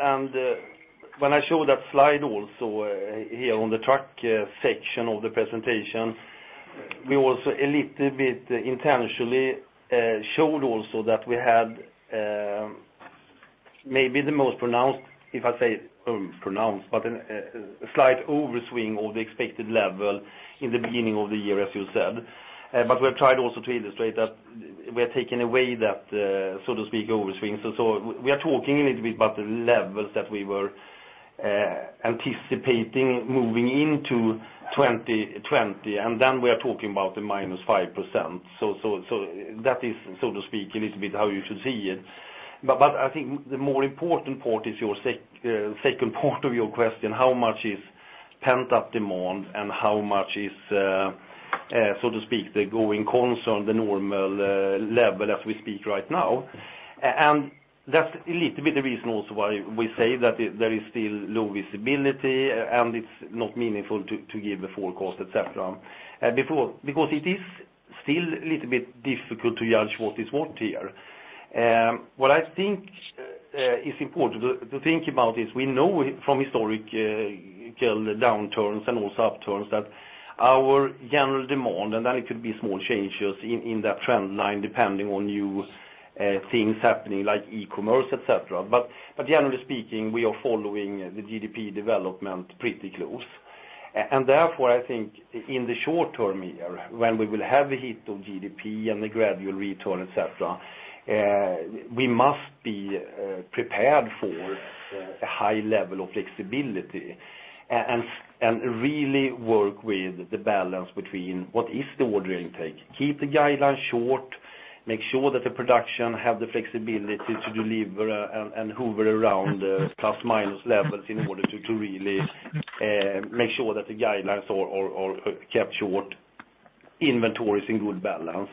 when I show that slide also here on the truck section of the presentation, we also a little bit intentionally showed also that we had maybe the most pronounced, if I say pronounced, but a slight overswing of the expected level in the beginning of the year, as you said. We have tried also to illustrate that we are taking away that, so to speak, overswing. We are talking a little bit about the levels that we were anticipating moving into 2020, and we are talking about the minus 5%. That is, so to speak, a little bit how you should see it. I think the more important part is your second part of your question, how much is pent-up demand and how much is, so to speak, the going concern, the normal level as we speak right now. That's a little bit the reason also why we say that there is still low visibility, and it's not meaningful to give a forecast, et cetera. It is still a little bit difficult to judge what is what here. What I think is important to think about is we know from historical downturns and also upturns that our general demand, and then it could be small changes in that trend line, depending on new things happening like e-commerce, et cetera. Generally speaking, we are following the GDP development pretty close. Therefore, I think in the short term here, when we will have a hit on GDP and the gradual return, et cetera, we must be prepared for a high level of flexibility, and really work with the balance between what is the order intake, keep the guideline short. Make sure that the production have the flexibility to deliver and hover around plus/minus levels in order to really make sure that the guidelines are kept short, inventories in good balance.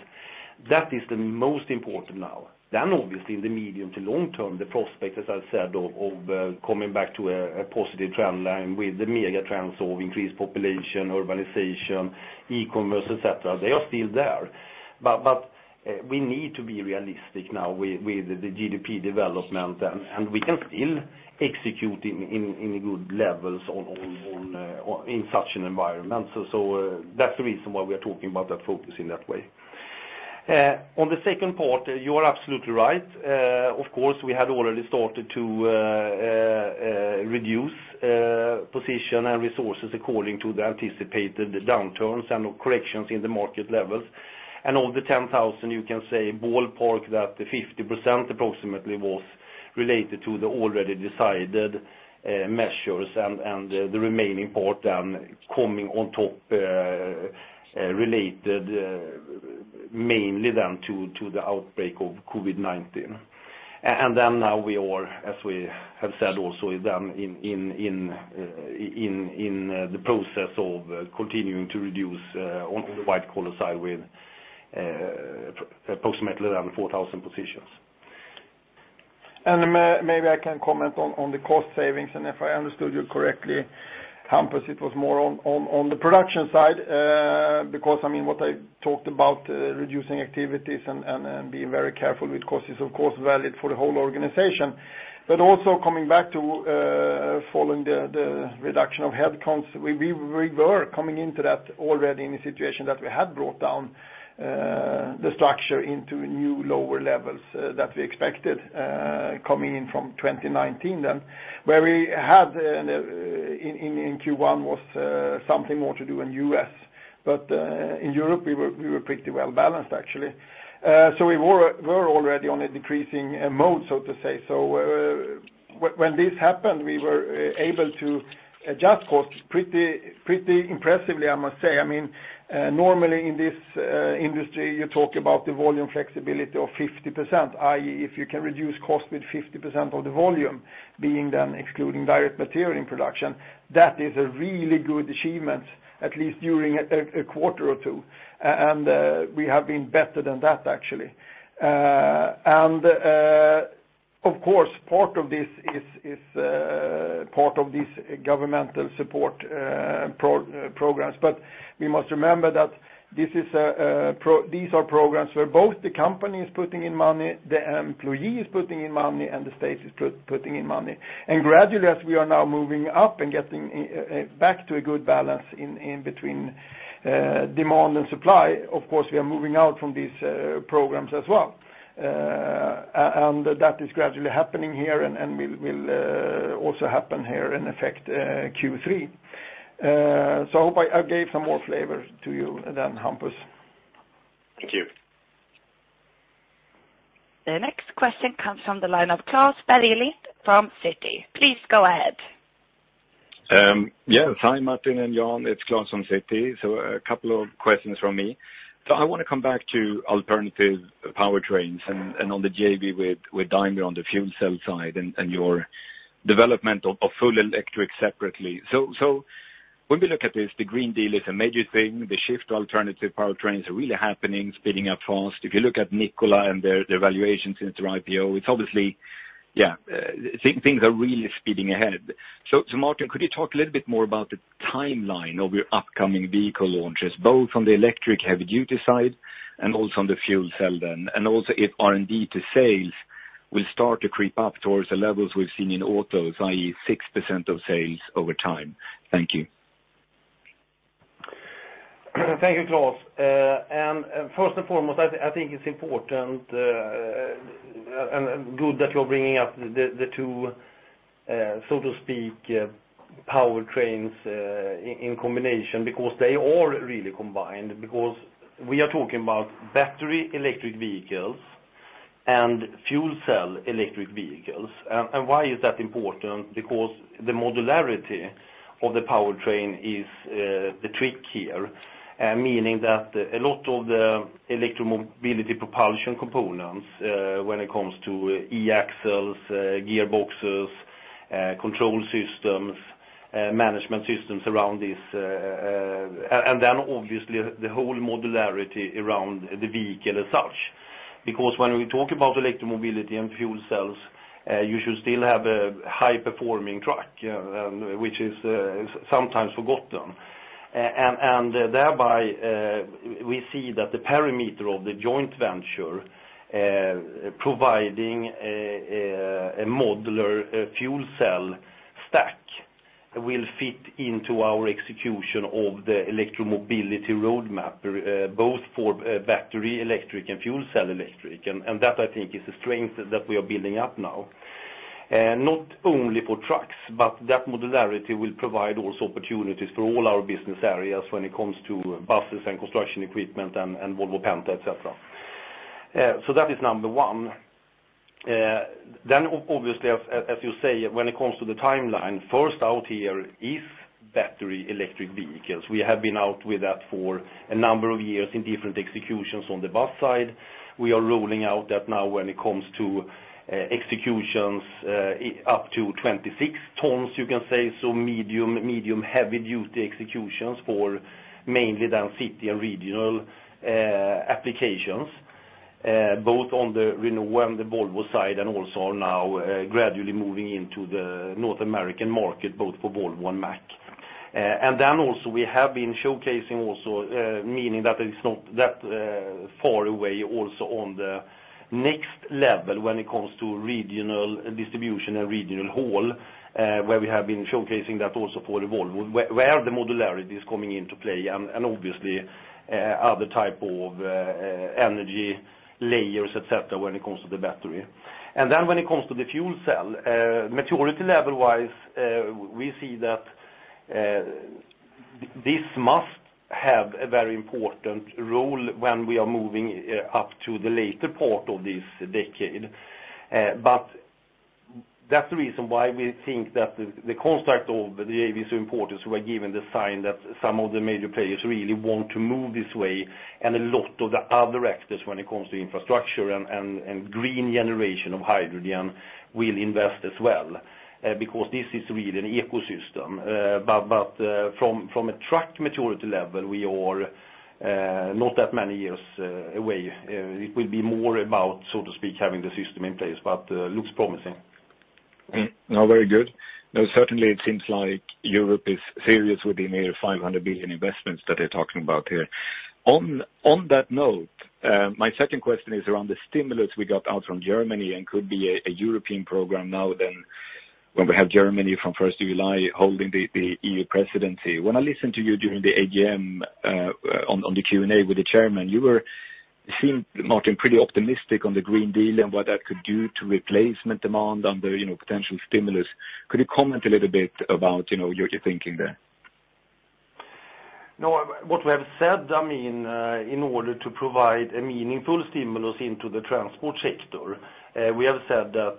That is the most important now. Obviously in the medium to long term, the prospect, as I said, of coming back to a positive trend line with the mega trends of increased population, urbanization, e-commerce, et cetera, they are still there. We need to be realistic now with the GDP development, and we can still execute in good levels in such an environment. That's the reason why we are talking about that focus in that way. On the second part, you are absolutely right. Of course, we had already started to reduce position and resources according to the anticipated downturns and corrections in the market levels. Of the 10,000, you can say ballpark that 50% approximately was related to the already decided measures, and the remaining part then coming on top, related mainly then to the outbreak of COVID-19. Now we are, as we have said also, in the process of continuing to reduce on the white collar side with approximately around 4,000 positions. Maybe I can comment on the cost savings, and if I understood you correctly, Hampus, it was more on the production side, because what I talked about reducing activities and being very careful with costs is, of course, valid for the whole organization. Also coming back to following the reduction of headcounts, we were coming into that already in a situation that we had brought down the structure into new lower levels that we expected coming in from 2019 then. Where we had in Q1 was something more to do in U.S., but in Europe, we were pretty well-balanced, actually. We were already on a decreasing mode, so to say. When this happened, we were able to adjust costs pretty impressively, I must say. Normally in this industry, you talk about the volume flexibility of 50%, i.e., if you can reduce cost with 50% of the volume being then excluding direct material in production, that is a really good achievement, at least during a quarter or two. We have been better than that, actually. Of course, part of this is governmental support programs. We must remember that these are programs where both the company is putting in money, the employee is putting in money, and the state is putting in money. Gradually, as we are now moving up and getting back to a good balance in between demand and supply, of course, we are moving out from these programs as well. That is gradually happening here and will also happen here in effect Q3. I hope I gave some more flavor to you then, Hampus. Thank you. The next question comes from the line of Klas Bergelind from Citi. Please go ahead. Yes. Hi, Martin and Jan, it's Klas from Citi. A couple of questions from me. I want to come back to alternative powertrains and on the JV with Daimler on the fuel cell side and your development of full electric separately. When we look at this, the Green Deal is a major thing. The shift to alternative powertrains are really happening, speeding up fast. If you look at Nikola and their valuations since their IPO, things are really speeding ahead. Martin, could you talk a little bit more about the timeline of your upcoming vehicle launches, both on the electric heavy-duty side and also on the fuel cell then? Also if R&D to sales will start to creep up towards the levels we've seen in autos, i.e., 6% of sales over time. Thank you. Thank you, Klas. First and foremost, I think it's important and good that you're bringing up the two, so to speak, powertrains in combination because they are really combined, because we are talking about battery electric vehicles and fuel cell electric vehicles. Why is that important? Because the modularity of the powertrain is the trick here, meaning that a lot of the electromobility propulsion components when it comes to e-axles, gearboxes, control systems, management systems around this, and then obviously the whole modularity around the vehicle as such. Because when we talk about electromobility and fuel cells, you should still have a high-performing truck, which is sometimes forgotten. Thereby, we see that the parameter of the joint venture providing a modular fuel cell stack will fit into our execution of the electromobility roadmap, both for battery electric and fuel cell electric. That I think is a strength that we are building up now. Not only for trucks, but that modularity will provide also opportunities for all our business areas when it comes to buses and Construction Equipment and Volvo Penta, et cetera. That is number 1. Obviously, as you say, when it comes to the timeline, first out here is battery electric vehicles. We have been out with that for a number of years in different executions on the bus side. We are rolling out that now when it comes to executions up to 26 tons, you can say. Medium heavy duty executions for mainly then city and regional applications, both on the Renault and the Volvo side, and also now gradually moving into the North American market, both for Volvo and Mack. We have been showcasing also, meaning that it's not that far away, on the next level when it comes to regional distribution and regional haul, where we have been showcasing that also for Volvo, where the modularity is coming into play and obviously other type of energy layers, et cetera, when it comes to the battery. When it comes to the fuel cell, maturity level-wise, we see that this must have a very important role when we are moving up to the later part of this decade. That's the reason why we think that the construct of the AVZ importers who are given the sign that some of the major players really want to move this way, and a lot of the other actors when it comes to infrastructure and green generation of hydrogen will invest as well. This is really an ecosystem. From a truck maturity level, we are not that many years away. It will be more about, so to speak, having the system in place, but looks promising. No, very good. Certainly it seems like Europe is serious with the near 500 billion investments that they're talking about here. On that note, my second question is around the stimulus we got out from Germany and could be a European program now then, when we have Germany from 1st of July holding the EU presidency. When I listened to you during the AGM, on the Q&A with the chairman, you seemed, Martin, pretty optimistic on the Green Deal and what that could do to replacement demand under potential stimulus. Could you comment a little bit about your thinking there? What we have said, in order to provide a meaningful stimulus into the transport sector, we have said that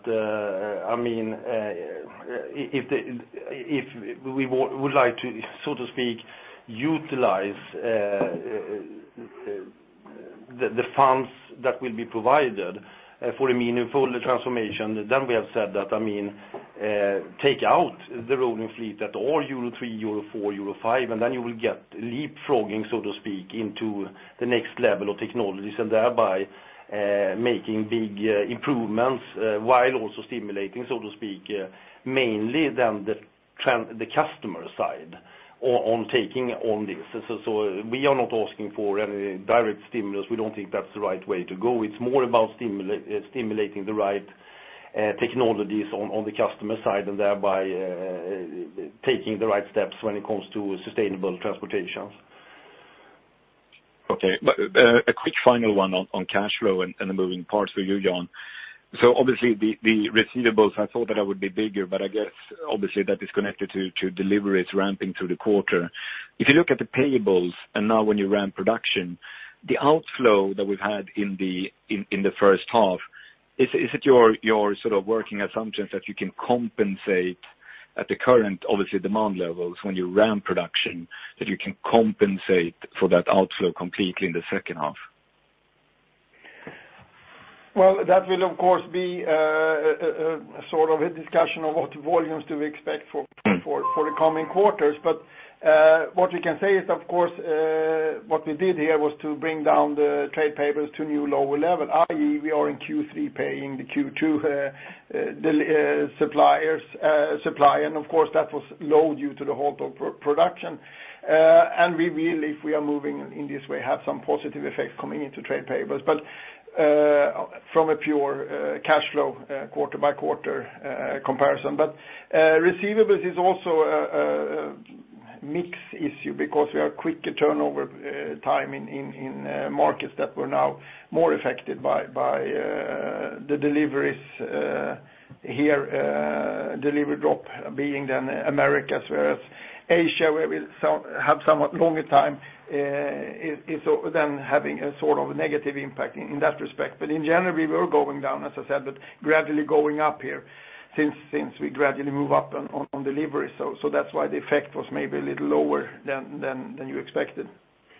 if we would like to, so to speak, utilize the funds that will be provided for a meaningful transformation, then we have said that take out the rolling fleet that are Euro 3, Euro 4, Euro 5, and then you will get leapfrogging, so to speak, into the next level of technologies, and thereby making big improvements, while also stimulating, so to speak, mainly then the customer side on taking on this. We are not asking for any direct stimulus. We don't think that's the right way to go. It's more about stimulating the right technologies on the customer side and thereby taking the right steps when it comes to sustainable transportation. Okay. A quick final one on cash flow and the moving parts for you, Jan. Obviously the receivables, I thought that would be bigger, but I guess obviously that is connected to deliveries ramping through the quarter. If you look at the payables and now when you ramp production, the outflow that we've had in the first half, is it your working assumptions that you can compensate at the current, obviously, demand levels when you ramp production, that you can compensate for that outflow completely in the second half? Well, that will, of course, be a discussion of what volumes do we expect for the coming quarters. What we can say is, of course, what we did here was to bring down the trade payables to a new lower level, i.e., we are in Q3 paying the Q2 suppliers supply, and of course, that was low due to the halt of production. We will, if we are moving in this way, have some positive effects coming into trade payables, but from a pure cash flow quarter by quarter comparison. Receivables is also a mix issue because we have quicker turnover time in markets that were now more affected by the deliveries here, delivery drop being then Americas, whereas Asia, where we have somewhat longer time, is then having a sort of negative impact in that respect. In general, we were going down, as I said, but gradually going up here since we gradually move up on delivery. That's why the effect was maybe a little lower than you expected.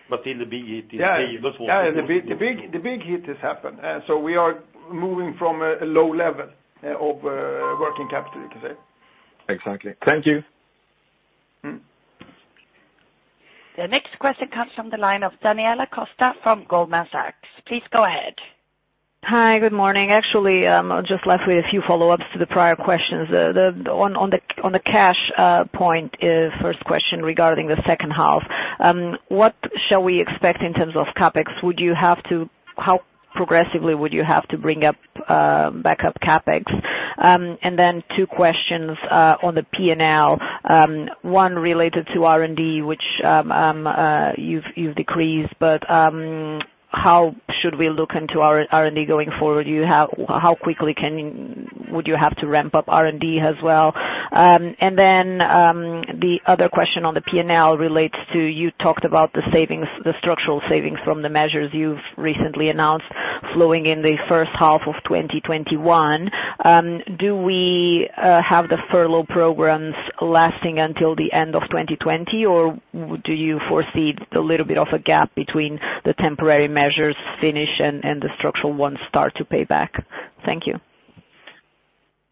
Still the big hit is payables. Yeah. The big hit has happened. We are moving from a low level of working capital, you could say. Exactly. Thank you. The next question comes from the line of Daniela Costa from Goldman Sachs. Please go ahead. Hi, good morning. Actually, I'm just left with a few follow-ups to the prior questions. On the cash point is first question regarding the second half. What shall we expect in terms of CapEx? How progressively would you have to bring back up CapEx? Two questions on the P&L. One related to R&D, which you've decreased, how should we look into R&D going forward? How quickly would you have to ramp up R&D as well? The other question on the P&L relates to, you talked about the structural savings from the measures you've recently announced flowing in the first half of 2021. Do we have the furlough programs lasting until the end of 2020, or do you foresee a little bit of a gap between the temporary measures finish and the structural ones start to pay back? Thank you.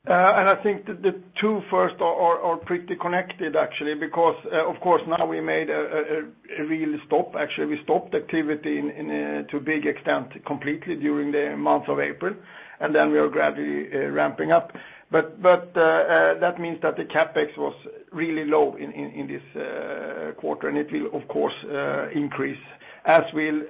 I think that the two first are pretty connected actually, because of course now we made a real stop. Actually, we stopped activity to a big extent completely during the month of April, then we are gradually ramping up. That means that the CapEx was really low in this quarter, and it will, of course, increase as will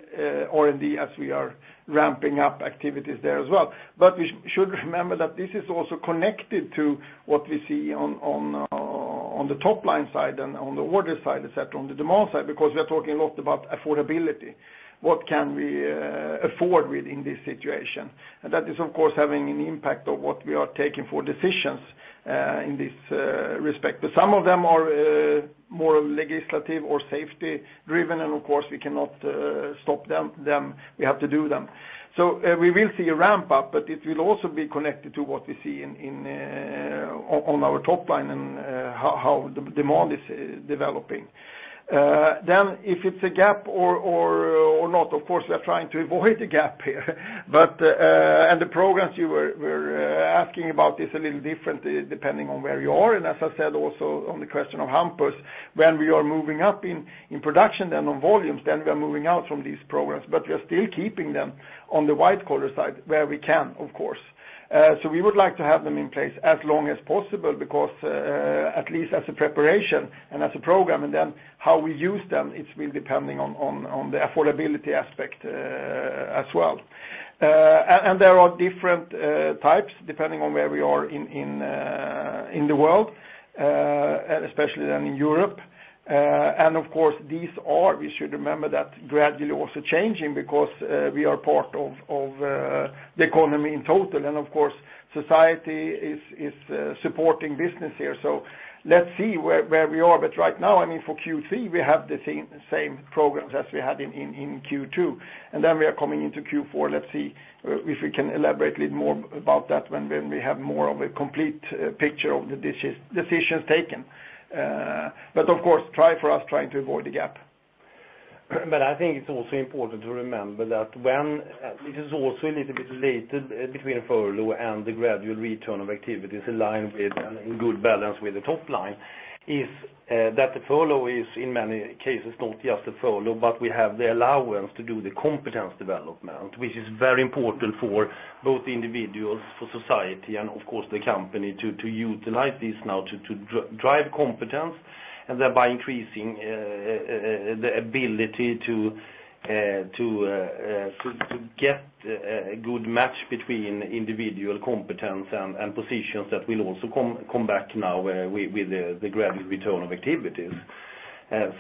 R&D, as we are ramping up activities there as well. We should remember that this is also connected to what we see on the top-line side than on the order side, et cetera, on the demand side, because we are talking a lot about affordability. What can we afford within this situation? That is, of course, having an impact on what we are taking for decisions, in this respect. Some of them are more legislative or safety driven, and of course we cannot stop them. We have to do them. We will see a ramp-up, but it will also be connected to what we see on our top line and how the demand is developing. If it's a gap or not, of course, we are trying to avoid a gap here. The programs you were asking about is a little different depending on where you are. As I said also on the question of Hampus, when we are moving up in production and on volumes, we are moving out from these programs. We are still keeping them on the white collar side where we can, of course. We would like to have them in place as long as possible because, at least as a preparation and as a program, and then how we use them, it will depend on the affordability aspect as well. There are different types depending on where we are in the world, especially than in Europe. Of course, these are, we should remember that gradually also changing because we are part of the economy in total. Of course, society is supporting business here. Let's see where we are. Right now, I mean, for Q3, we have the same programs as we had in Q2, and then we are coming into Q4. Let's see if we can elaborate a little more about that when we have more of a complete picture of the decisions taken. Of course, try for us trying to avoid the gap. I think it's also important to remember that when it is also a little bit related between furlough and the gradual return of activities aligned with, and in good balance with the top line, is that the furlough is in many cases not just a furlough, but we have the allowance to do the competence development. Which is very important for both individuals, for society and of course the company to utilize this now to drive competence, and thereby increasing the ability to get a good match between individual competence and positions that will also come back now with the gradual return of activities. That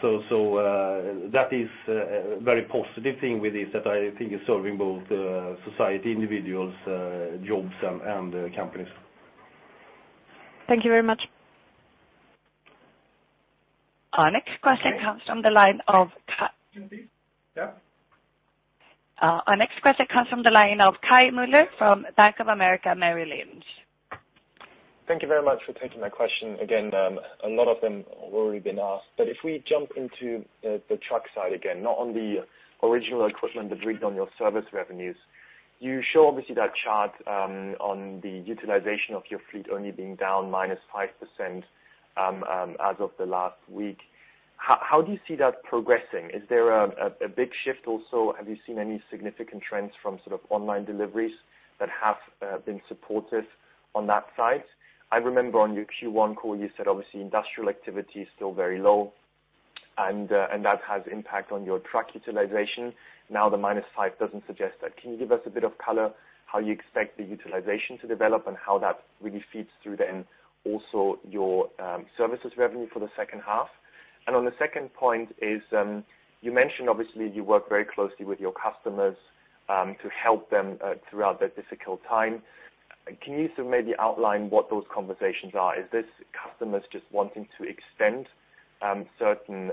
is a very positive thing with this, that I think is serving both society, individuals, jobs, and companies. Thank you very much. Our next question comes from the line of Kai Müller from Bank of America, Merrill Lynch. Thank you very much for taking my question. A lot of them have already been asked, but if we jump into the truck side, not on the original equipment but really on your service revenues. You show obviously that chart, on the utilization of your fleet only being down -5% as of the last week. How do you see that progressing? Is there a big shift also? Have you seen any significant trends from sort of online deliveries that have been supportive on that side? I remember on your Q1 call, you said obviously industrial activity is still very low and that has impact on your truck utilization. The -5 doesn't suggest that. Can you give us a bit of color, how you expect the utilization to develop and how that really feeds through then also your services revenue for the second half? On the second point is, you mentioned obviously you work very closely with your customers, to help them, throughout their difficult time. Can you sort of maybe outline what those conversations are? Is this customers just wanting to extend certain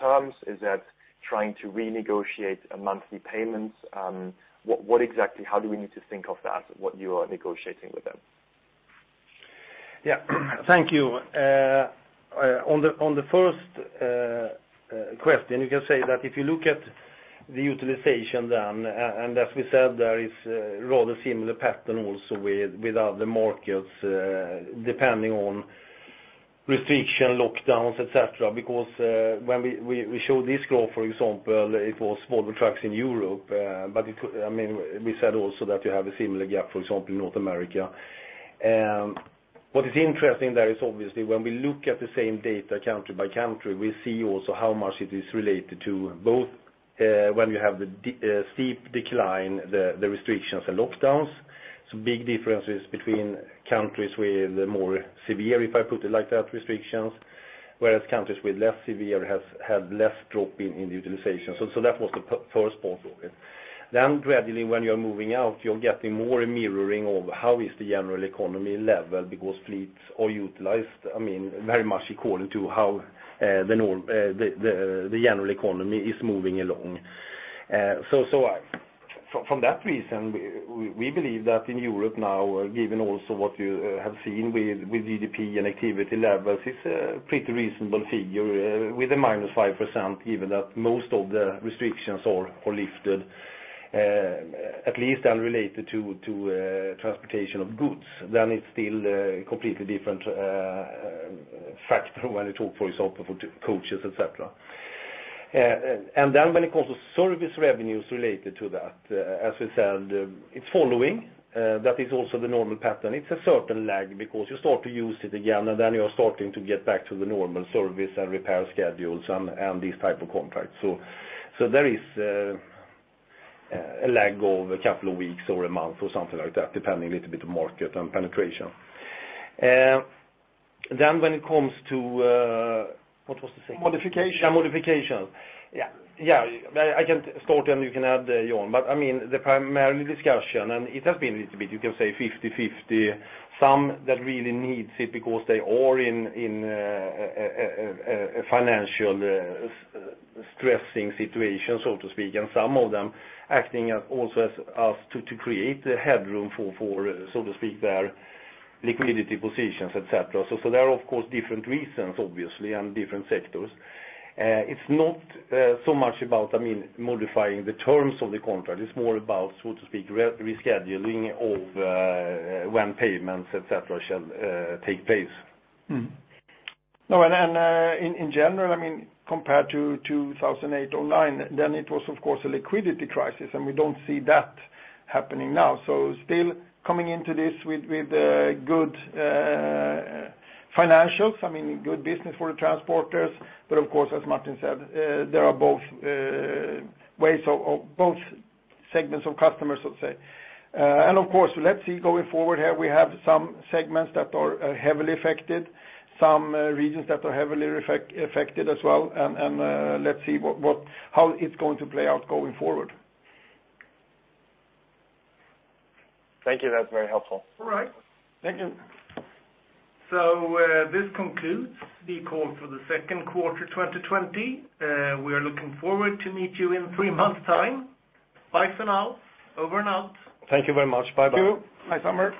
terms? Is that trying to renegotiate monthly payments? How do we need to think of that, what you are negotiating with them? Thank you. On the first question, you can say that if you look at the utilization then, as we said, there is a rather similar pattern also with other markets, depending on restriction, lockdowns, et cetera. When we showed this graph, for example, it was Volvo Trucks in Europe. We said also that you have a similar gap, for example, in North America. What is interesting there is obviously when we look at the same data country by country, we see also how much it is related to both, when you have the steep decline, the restrictions and lockdowns. Big differences between countries with more severe, if I put it like that, restrictions. Whereas countries with less severe have had less drop in utilization. That was the first part of it. Gradually, when you are moving out, you are getting more a mirroring of how is the general economy level, because fleets are utilized very much according to how the general economy is moving along. From that reason, we believe that in Europe now, given also what you have seen with GDP and activity levels, it's a pretty reasonable figure with a minus 5%, given that most of the restrictions are lifted, at least unrelated to transportation of goods. It's still a completely different factor when you talk, for example, for coaches, et cetera. When it comes to service revenues related to that, as we said, it's following. That is also the normal pattern. It's a certain lag because you start to use it again, and then you are starting to get back to the normal service and repair schedules and these type of contracts. There is a lag of a couple of weeks or a month or something like that, depending a little bit on market and penetration. When it comes to What was the second one? Modification. Yeah, modifications. Yeah. I can start, then you can add, Jan. The primary discussion, and it has been a little bit, you can say 50/50. Some that really needs it because they are in a financial stressing situation, so to speak, and some of them acting also as to create the headroom for, so to speak, their liquidity positions, et cetera. There are, of course, different reasons, obviously, and different sectors. It's not so much about modifying the terms of the contract. It's more about, so to speak, rescheduling of when payments, et cetera, shall take place. No, in general, compared to 2008 or 2009, then it was, of course, a liquidity crisis, and we don't see that happening now. Still coming into this with good financials, good business for the transporters. Of course, as Martin said, there are both segments of customers, so to say. Of course, let's see going forward here, we have some segments that are heavily affected, some regions that are heavily affected as well, and let's see how it's going to play out going forward. Thank you. That's very helpful. All right. Thank you. This concludes the call for the second quarter 2020. We are looking forward to meet you in three months' time. Bye for now. Over and out. Thank you very much. Bye-bye. Thank you. Nice summer.